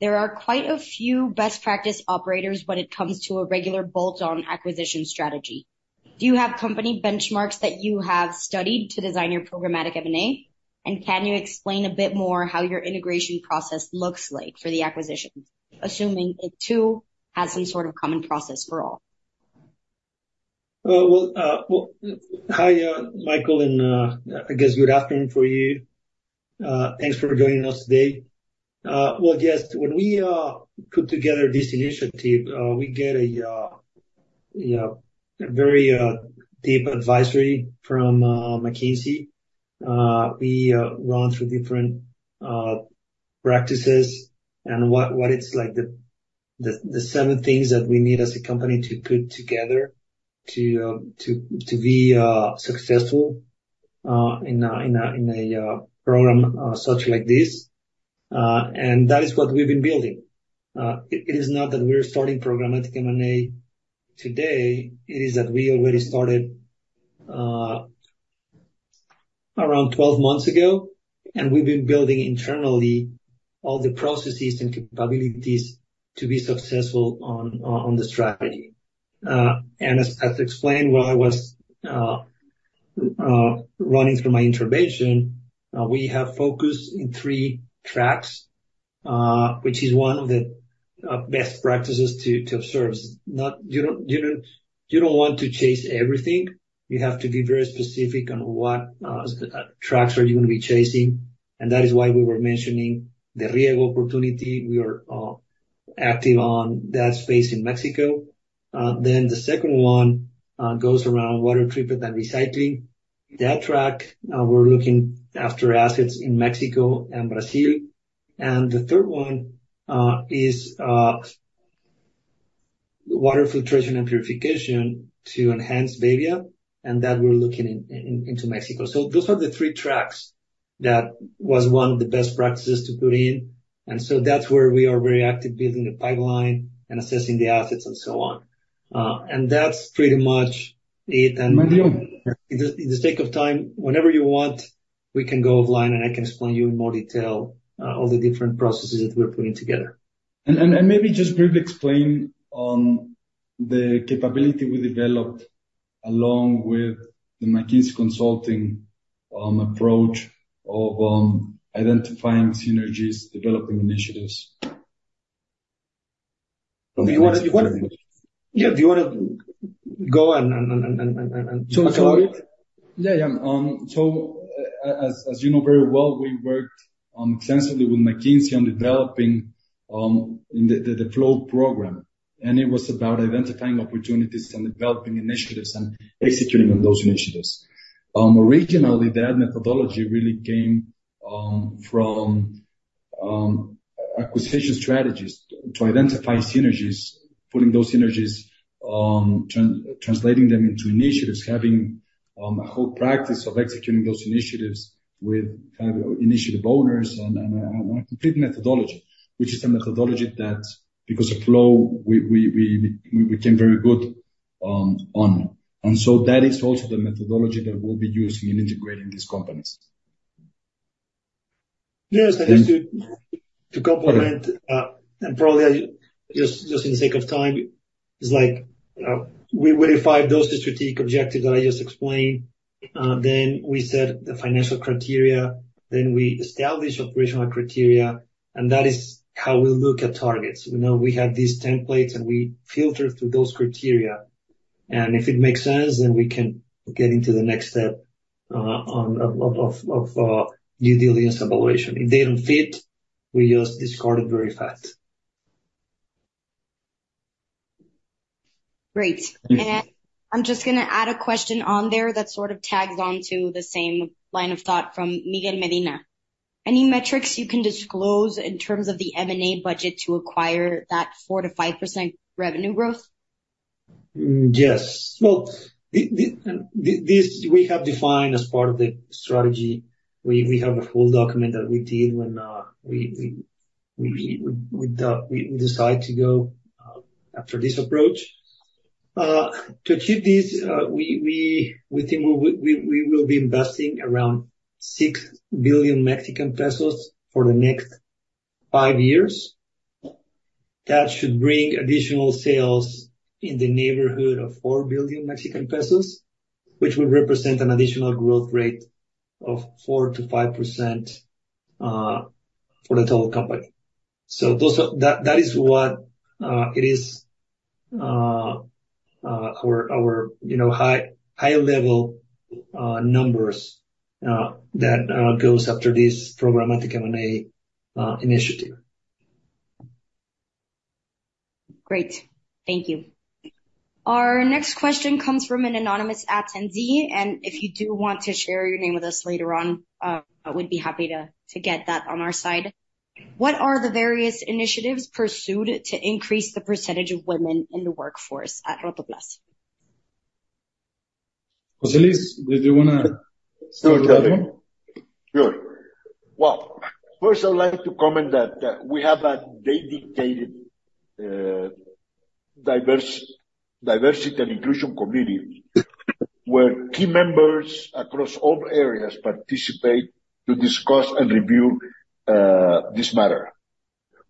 There are quite a few best practice operators when it comes to a regular bolt-on acquisition strategy. Do you have Company benchmarks that you have studied to design your Programmatic M&A? And can you explain a bit more how your integration process looks like for the acquisitions, assuming it too, has some sort of common process for all?
Well, well, hi, Michael, and I guess good afternoon for you. Thanks for joining us today. Well, yes, when we put together this initiative, we get a very deep advisory from McKinsey. We run through different practices and what it's like the seven things that we need as a Company to put together to be successful in a program such like this. And that is what we've been building. It is not that we're starting Programmatic M&A today, it is that we already started around 12 months ago, and we've been building internally all the processes and capabilities to be successful on the strategy. And as explained, while I was running through my intervention, we have focused in three tracks, which is one of the best practices to observe. You don't want to chase everything. You have to be very specific on what tracks are you going to be chasing, and that is why we were mentioning the rieggo opportunity. We are active on that space in Mexico. Then the second one goes around water treatment and recycling. That track, we're looking after assets in Mexico and Brazil. And the third one is water filtration and purification to enhance bebbia, and that we're looking into Mexico. So those are the three tracks that was one of the best practices to put in, and so that's where we are very active, building the pipeline and assessing the assets and so on. And that's pretty much it. And-
Mario?
For the sake of time, whenever you want, we can go offline, and I can explain to you in more detail all the different processes that we're putting together.
Maybe just briefly explain on the capability we developed along with the McKinsey consulting approach of identifying synergies, developing initiatives.
Do you wanna... Yeah, do you wanna go on and talk it?
Yeah, yeah. So as, as you know very well, we worked extensively with McKinsey on developing in the Flow program, and it was about identifying opportunities and developing initiatives and executing on those initiatives. Originally, that methodology really came from acquisition strategies to identify synergies, pulling those synergies, translating them into initiatives, having a whole practice of executing those initiatives with initiative owners and a complete methodology, which is the methodology that because of Flow, we became very good on. And so that is also the methodology that we'll be using in integrating these companies.
Yes, and just to complement, and probably just in the sake of time, is like, we verified those strategic objectives that I just explained. Then we set the financial criteria, then we established operational criteria, and that is how we look at targets. We know we have these templates, and we filter through those criteria, and if it makes sense, then we can get into the next step, of due diligence evaluation. If they don't fit, we just discard it very fast.
Great. I'm just gonna add a question on there that sort of tags on to the same line of thought from Miguel Medina. Any metrics you can disclose in terms of the M&A budget to acquire that 4%-5% revenue growth?
Yes. Well, this we have defined as part of the strategy. We have a full document that we did when we decide to go after this approach. To achieve this, we think we will be investing around 6 billion Mexican pesos for the next five years. That should bring additional sales in the neighborhood of 4 billion Mexican pesos, which would represent an additional growth rate of 4%-5% for the total Company. So those are... That is what it is our you know high-level numbers that goes after this Programmatic M&A initiative.
Great. Thank you. Our next question comes from an anonymous attendee, and if you do want to share your name with us later on, we'd be happy to get that on our side. What are the various initiatives pursued to increase the percentage of women in the workforce at Rotoplas?
José Luis, did you wanna start that one?
Sure. Well, first, I'd like to comment that we have a dedicated Diversity and Inclusion Committee, where key members across all areas participate to discuss and review this matter.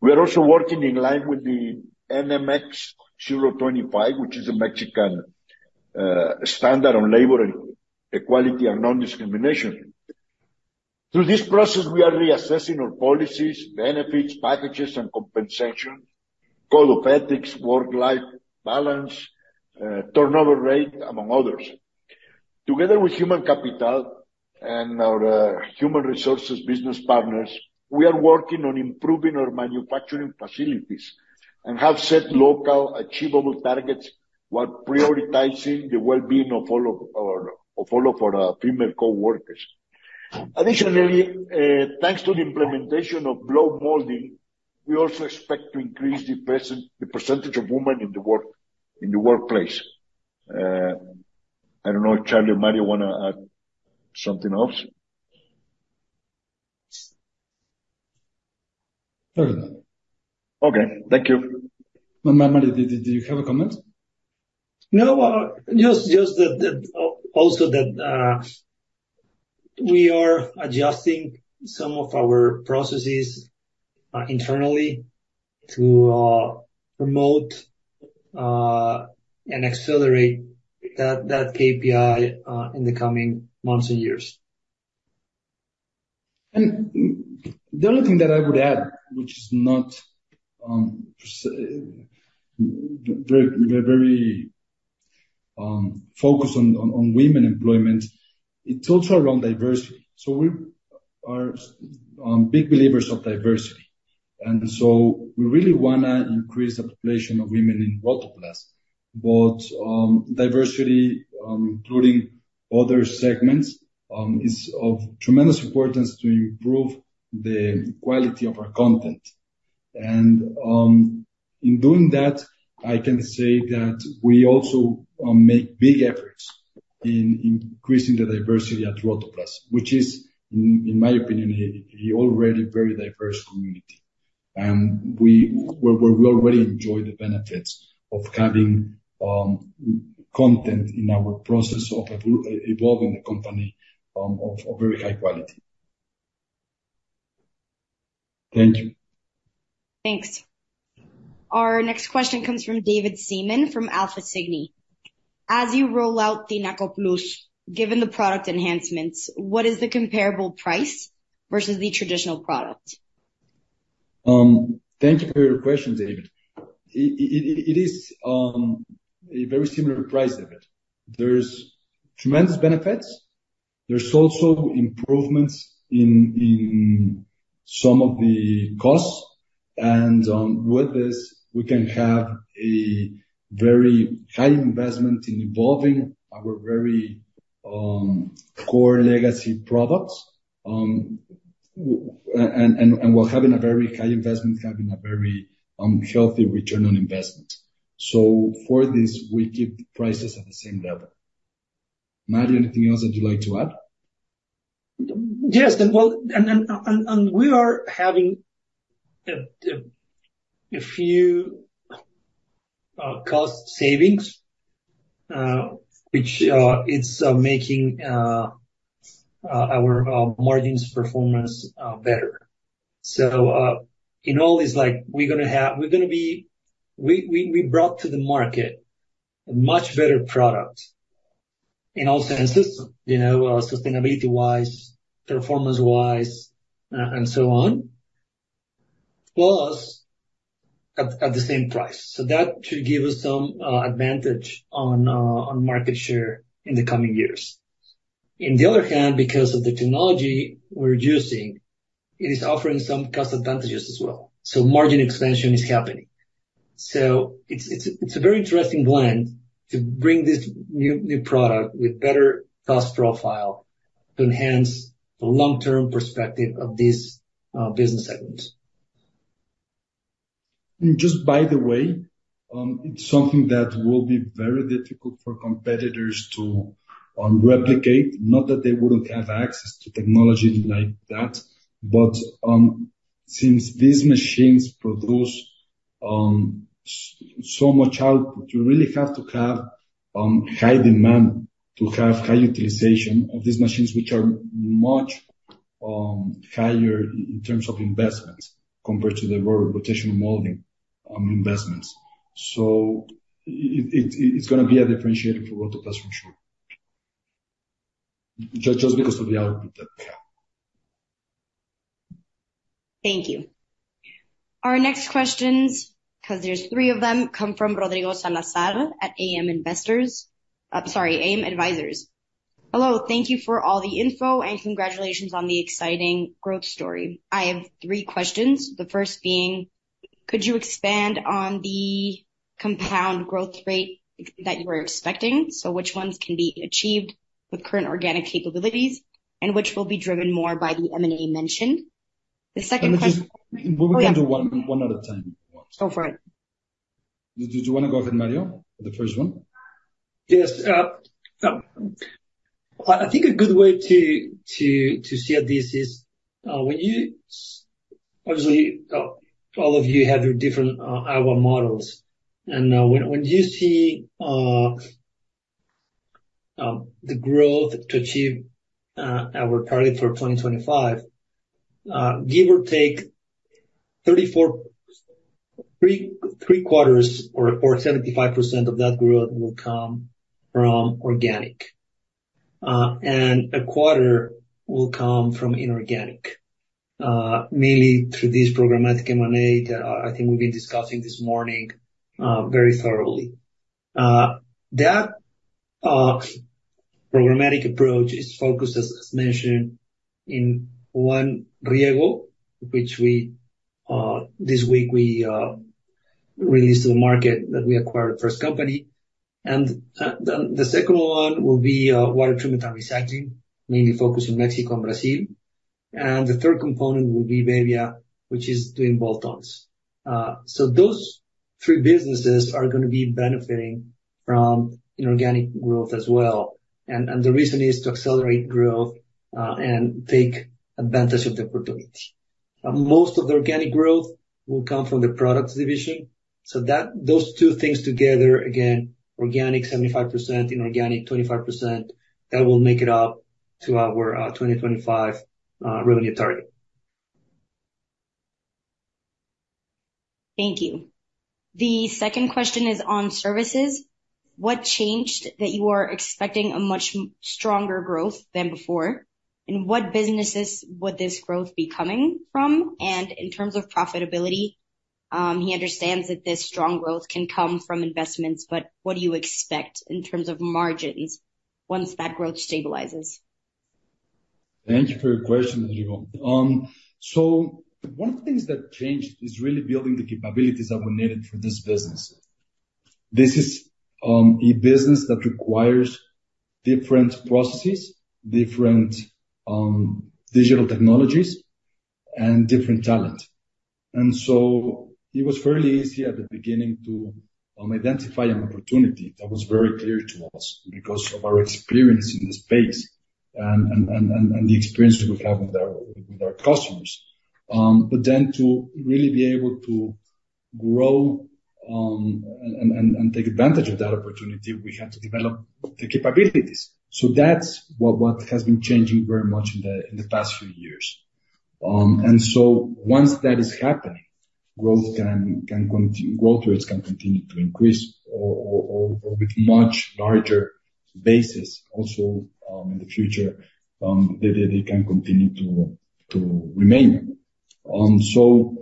We are also working in line with the NMX-025, which is a Mexican standard on labor equality and non-discrimination. Through this process, we are reassessing our policies, benefits packages and compensation, code of ethics, work-life balance, turnover rate, among others. Together with human capital and our human resources business partners, we are working on improving our manufacturing facilities and have set local, achievable targets while prioritizing the well-being of all of our female coworkers. Additionally, thanks to the implementation of blow molding, we also expect to increase the percentage of women in the workplace. I don't know if Charly or Mario wanna add something else?
No.
Okay, thank you.
Mario, do you have a comment?
No, just that we are adjusting some of our processes internally to promote and accelerate that KPI in the coming months and years.
And the only thing that I would add, which is not very very focused on women employment, it's also around diversity. So we are big believers of diversity, and so we really wanna increase the population of women in Rotoplas. But diversity including other segments is of tremendous importance to improve the quality of our content. And in doing that, I can say that we also make big efforts in increasing the diversity at Rotoplas, which is, in my opinion, already a very diverse community. And we already enjoy the benefits of having content in our process of evolving the Company of very high quality. Thank you.
Thanks. Our next question comes from David Seaman, from Alpha Cygni. As you roll out the Tinaco Plus, given the product enhancements, what is the comparable price versus the traditional product?
Thank you for your question, David. It is a very similar price, David. There's tremendous benefits. There's also improvements in some of the costs, and with this, we can have a very high investment in evolving our very core legacy products. And we're having a very high investment, having a very healthy return on investment. So for this, we keep prices at the same level. Mario, anything else that you'd like to add?
Yes, well, we are having a few cost savings, which it's making our margins performance better. So, in all is like we brought to the market a much better product in all senses, you know, sustainability wise, performance wise, and so on, plus at the same price. So that should give us some advantage on market share in the coming years. In the other hand, because of the technology we're using, it is offering some cost advantages as well. So margin expansion is happening. So it's a very interesting blend to bring this new product with better cost profile to enhance the long-term perspective of this business segment.
And just by the way, it's something that will be very difficult for competitors to replicate. Not that they wouldn't have access to technology like that, but since these machines produce so much output, you really have to have high demand to have high utilization of these machines, which are much higher in terms of investments compared to the rotational molding investments. So it, it's gonna be a differentiator for Rotoplas, for sure. Just because of the output that they have.
Thank you. Our next questions, 'cause there's three of them, come from Rodrigo Salazar at AM Investors. Sorry, AM Advisors. Hello, thank you for all the info, and congratulations on the exciting growth story. I have three questions. The first being: Could you expand on the compound growth rate that you are expecting? So which ones can be achieved with current organic capabilities, and which will be driven more by the M&A mentioned? The second question-
We can do one, one at a time.
Go for it.
Do you wanna go ahead, Mario, with the first one?
Yes. I think a good way to see this is when you obviously all of you have different AGUA models, and when you see the growth to achieve our target for 2025, give or take, 3/4 or three quarters or 75% of that growth will come from organic, and a quarter will come from inorganic, mainly through this Programmatic M&A that I think we've been discussing this morning very thoroughly. That programmatic approach is focused, as mentioned, in one rieggo, which we this week released to the market that we acquired first Company. The second one will be water treatment and recycling, mainly focused in Mexico and Brazil. The third component will be bebbia, which is doing both ones. So those three businesses are gonna be benefiting from inorganic growth as well. And, and the reason is to accelerate growth, and take advantage of the opportunities. But most of the organic growth will come from the Products division. So that, those two things together, again, organic 75%, inorganic 25%, that will make it to our 2025 revenue target.
Thank you. The second question is on services. What changed that you are expecting a much stronger growth than before? And what businesses would this growth be coming from? And in terms of profitability, he understands that this strong growth can come from investments, but what do you expect in terms of margins once that growth stabilizes?
Thank you for your question, Rodrigo. So one of the things that changed is really building the capabilities that were needed for this business. This is a business that requires different processes, different digital technologies and different talent. And so it was fairly easy at the beginning to identify an opportunity that was very clear to us because of our experience in the space and the experiences we've had with our customers. But then to really be able to grow and take advantage of that opportunity, we had to develop the capabilities. So that's what has been changing very much in the past few years. And so once that is happening, growth can contin... Growth rates can continue to increase or with much larger basis also in the future, they can continue to remain. So,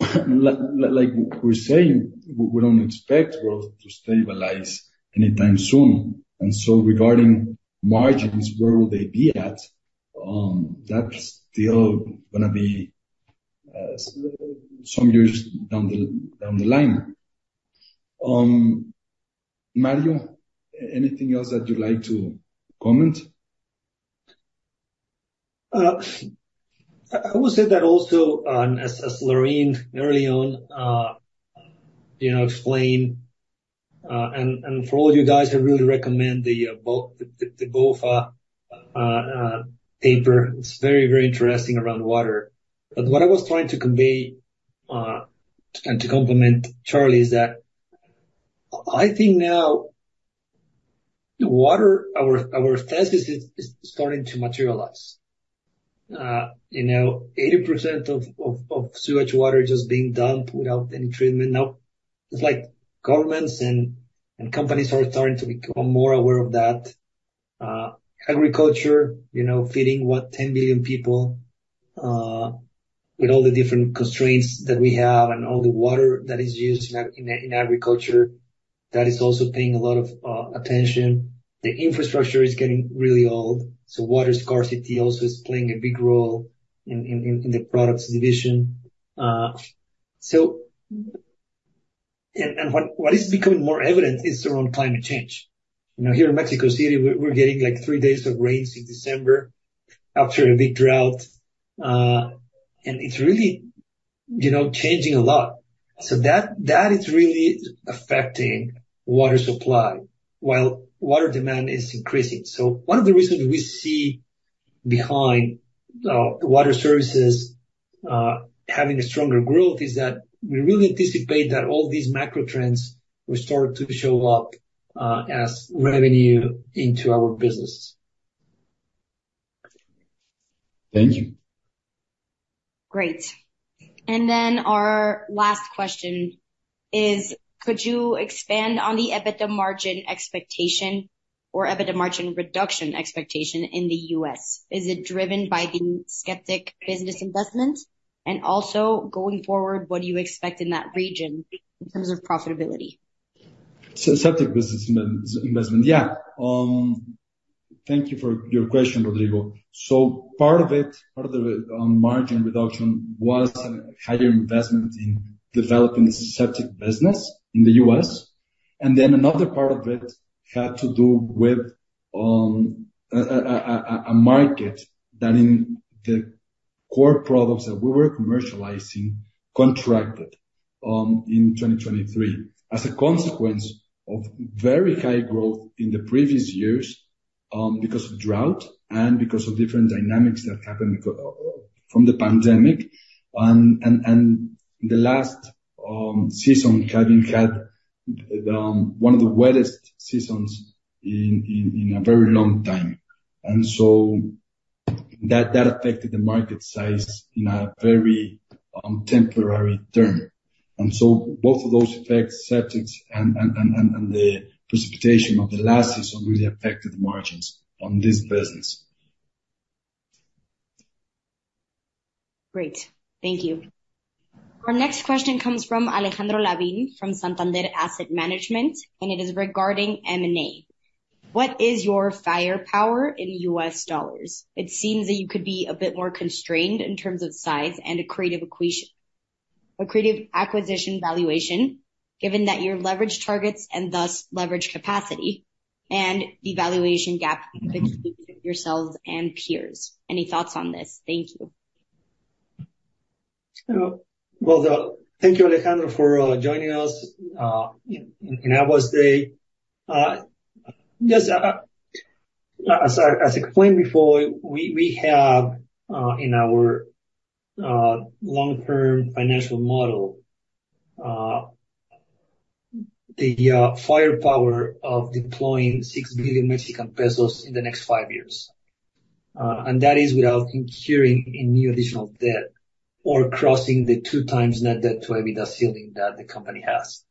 like we're saying, we don't expect growth to stabilize anytime soon, and so regarding margins, where will they be at? That's still gonna be some years down the line. Mario, anything else that you'd like to comment?
I would say that also, as Laureen early on, you know, explained, and for all you guys, I really recommend the the BofA paper. It's very, very interesting around water. But what I was trying to convey, and to complement Charly, is that I think now the water our thesis is starting to materialize. You know, 80% of sewage water just being dumped without any treatment. Now, it's like governments and companies are starting to become more aware of that. Agriculture, you know, feeding, what? 10 million people, with all the different constraints that we have and all the water that is used in agriculture, that is also paying a lot of attention. The infrastructure is getting really old, so water scarcity also is playing a big role in the Products division. And what is becoming more evident is around climate change. You know, here in Mexico City, we're getting, like, three days of rains in December after a big drought. And it's really, you know, changing a lot. So that is really affecting water supply while water demand is increasing. So one of the reasons we see behind water services having a stronger growth is that we really anticipate that all these macro trends will start to show up as revenue into our business.
Thank you.
Great. And then our last question is: Could you expand on the EBITDA margin expectation or EBITDA margin reduction expectation in the U.S.? Is it driven by the septic business investment? And also, going forward, what do you expect in that region in terms of profitability?
Septic business investment. Yeah. Thank you for your question, Rodrigo. So part of it, part of the margin reduction was a higher investment in developing the septic business in the U.S. And then another part of it had to do with a market that in the core products that we were commercializing contracted in 2023, as a consequence of very high growth in the previous years because of drought and because of different dynamics that happened from the pandemic, and the last season having had one of the wettest seasons in a very long time. And so that affected the market size in a very temporary term. And so both of those effects, septics and the precipitation of the last season, really affected the margins on this business.
Great, thank you. Our next question comes from Alejandro Lavin, from Santander Asset Management, and it is regarding M&A. What is your firepower in U.S. dollars? It seems that you could be a bit more constrained in terms of size and accretive acquisition valuation, given that your leverage targets and thus leverage capacity and the valuation gap between yourselves and peers. Any thoughts on this? Thank you.
Well, thank you, Alejandro, for joining us in AGUA Day. Just as I explained before, we have in our long-term financial model the firepower of deploying 6 billion Mexican pesos in the next five years. And that is without incurring any additional debt or crossing the 2x net debt to EBITDA ceiling that the Company has.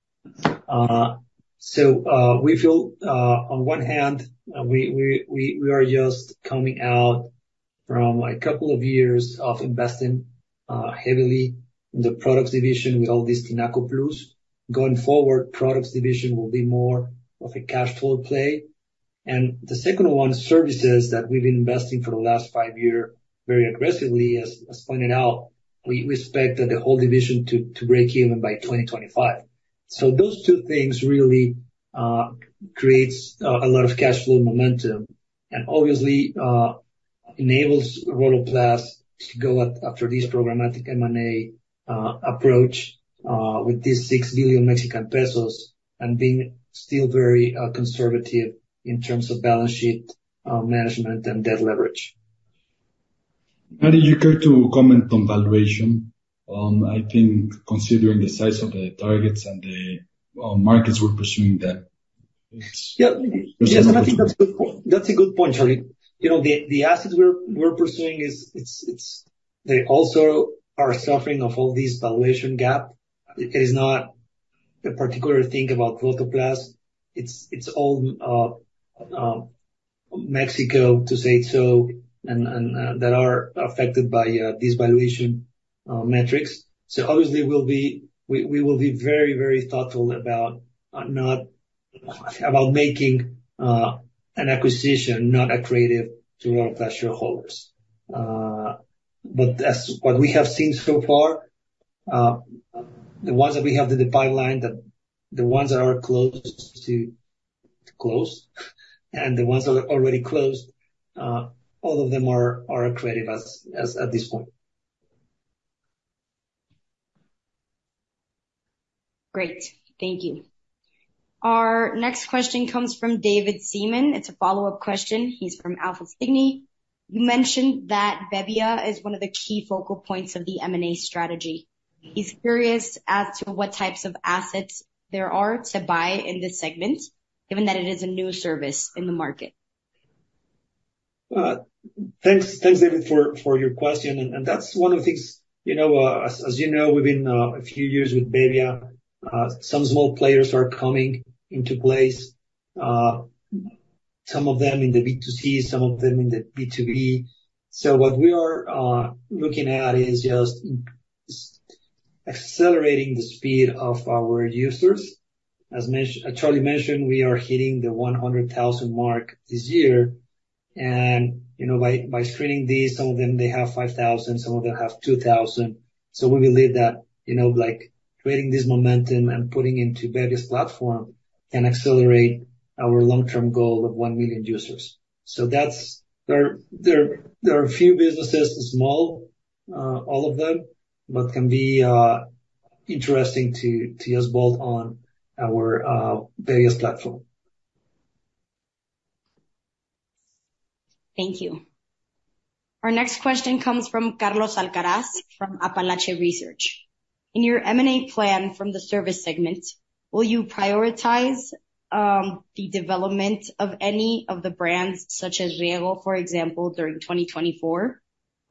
So we feel on one hand we are just coming out from a couple of years of investing heavily in the Products division with all these Tinaco Plus. Going forward, Products division will be more of a cash flow play. The second one, services, that we've been investing for the last five year very aggressively, as pointed out, we expect that the whole division to break even by 2025. So those two things really creates a lot of cash flow momentum, and obviously enables Rotoplas to go after this Programmatic M&A approach with this 6 billion Mexican pesos and being still very conservative in terms of balance sheet management and debt leverage.
Mario, you care to comment on valuation? I think considering the size of the targets and the markets we're pursuing that.
Yeah. Yes, I think that's a good point. That's a good point, Charly. You know, the assets we're pursuing is, it's they also are suffering of all this valuation gap. It is not a particular thing about Rotoplas. It's all Mexico, to say so, and that are affected by this valuation metrics. So obviously, we'll be we will be very, very thoughtful about not about making an acquisition not accretive to Rotoplas shareholders. But as what we have seen so far, the ones that we have in the pipeline, the ones that are close to closed, and the ones that are already closed, all of them are accretive as at this point.
Great. Thank you. Our next question comes from David Seaman. It's a follow-up question. He's from Alpha Cygni. You mentioned that bebbia is one of the key focal points of the M&A strategy. He's curious as to what types of assets there are to buy in this segment, given that it is a new service in the market.
Thanks, thanks, David, for, for your question, and, and that's one of the things, you know, as, as you know, within a few years with bebbia, some small players are coming into place, some of them in the B2C, some of them in the B2B. So what we are looking at is just accelerating the speed of our users. As Charly mentioned, we are hitting the 100,000 mark this year, and, you know, by screening these, some of them, they have 5,000, some of them have 2,000. So we believe that, you know, like, creating this momentum and putting into bebbia's platform can accelerate our long-term goal of 1 million users. So that's... There are a few businesses, small, all of them, but can be interesting to us both on our bebbia's platform.
Thank you. Our next question comes from Carlos Alcaraz, from Apalache Research. In your M&A plan from the Service segment, will you prioritize the development of any of the brands, such as rieggo, for example, during 2024?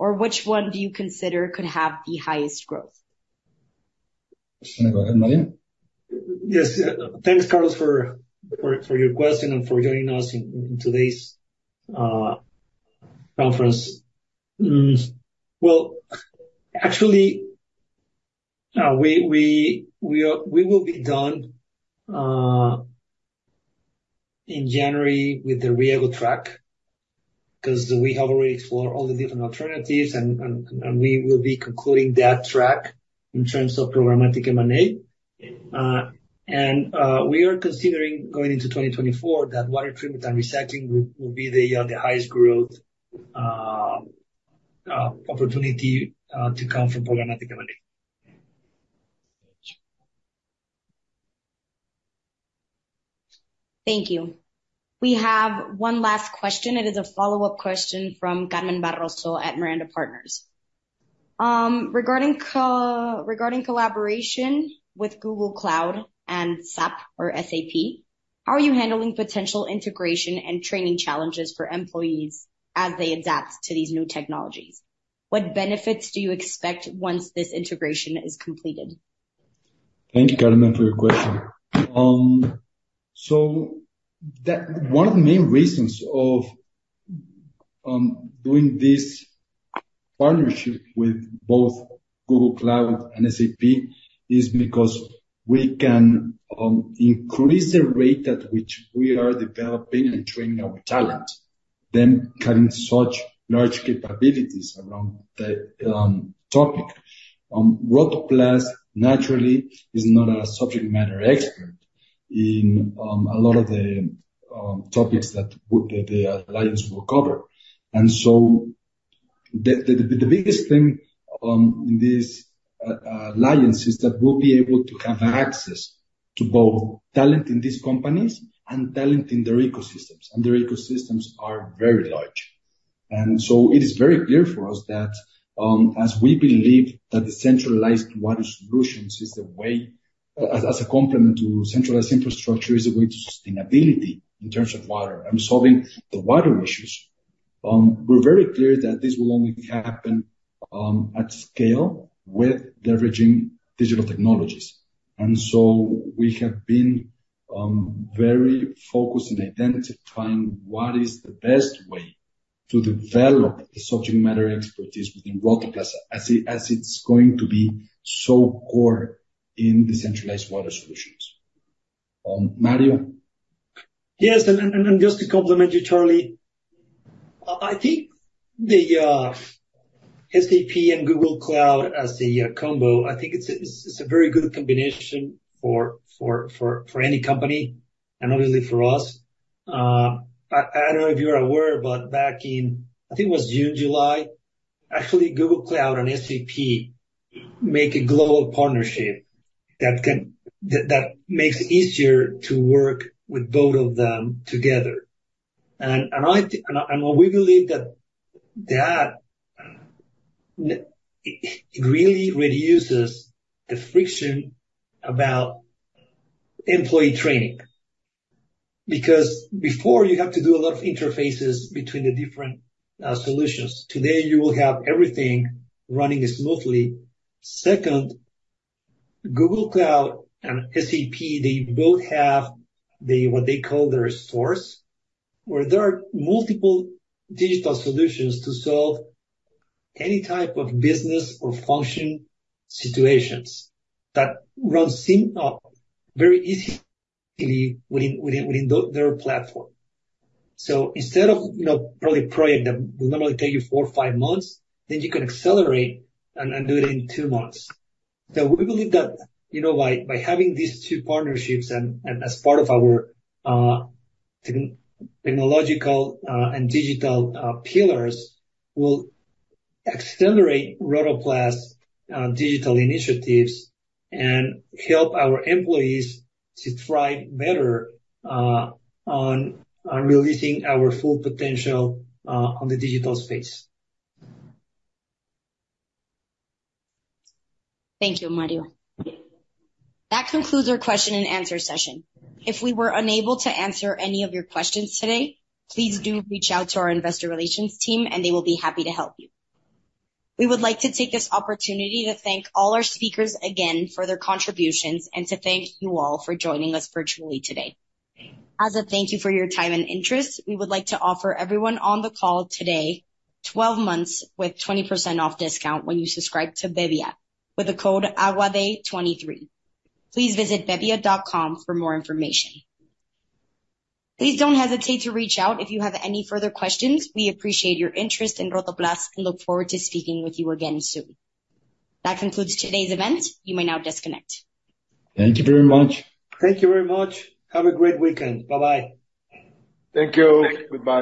Or which one do you consider could have the highest growth?
Go ahead, Mario.
Yes. Thanks, Carlos, for your question and for joining us in today's conference. Well, actually, we will be done in January with the rieggo track, 'cause we have already explored all the different alternatives, and we will be concluding that track in terms of Programmatic M&A. And we are considering going into 2024, that water treatment and recycling will be the highest growth opportunity to come from Programmatic M&A.
Thank you. We have one last question. It is a follow-up question from Carmen Barroso at Miranda Partners. Regarding collaboration with Google Cloud and SAP or SAP, how are you handling potential integration and training challenges for employees as they adapt to these new technologies? What benefits do you expect once this integration is completed?
Thank you, Carmen, for your question. One of the main reasons of doing this partnership with both Google Cloud and SAP is because we can increase the rate at which we are developing and training our talent, them carrying such large capabilities around the topic. Rotoplas, naturally, is not a subject matter expert in a lot of the topics that the alliance will cover. And so the biggest thing in this alliance is that we'll be able to have access to both talent in these companies and talent in their ecosystems, and their ecosystems are very large. And so it is very clear for us that as we believe that the centralized water solutions is the way, as a complement to centralized infrastructure, is the way to sustainability in terms of water and solving the water issues. We're very clear that this will only happen at scale with leveraging digital technologies. And so we have been very focused on identifying what is the best way to develop the subject matter expertise within Rotoplas as it's going to be so core in decentralized water solutions. Mario?
Yes, just to complement you, Charly, I think the SAP and Google Cloud as a combo, I think it's a very good combination for any Company and obviously for us. I don't know if you're aware, but back in, I think it was June, July, actually, Google Cloud and SAP make a global partnership that makes it easier to work with both of them together. And we believe that it really reduces the friction about employee training, because before you have to do a lot of interfaces between the different solutions. Today, you will have everything running smoothly. Second, Google Cloud and SAP, they both have the, what they call their source, where there are multiple digital solutions to solve any type of business or function situations that runs seamlessly very easily within their platform. So instead of, you know, probably a project that will normally take you four or five months, then you can accelerate and do it in two months. So we believe that, you know, by having these two partnerships and as part of our technological and digital pillars, will accelerate Rotoplas digital initiatives and help our employees to thrive better on releasing our full potential on the digital space.
Thank you, Mario. That concludes our question and answer session. If we were unable to answer any of your questions today, please do reach out to our Investor Relations team, and they will be happy to help you. We would like to take this opportunity to thank all our speakers again for their contributions and to thank you all for joining us virtually today. As a thank you for your time and interest, we would like to offer everyone on the call today 12 months with 20% off discount when you subscribe to bebbia with the code AGUADAY23. Please visit bebbia.com for more information. Please don't hesitate to reach out if you have any further questions. We appreciate your interest in Rotoplas and look forward to speaking with you again soon. That concludes today's event. You may now disconnect.
Thank you very much.
Thank you very much. Have a great weekend. Bye-bye.
Thank you. Goodbye.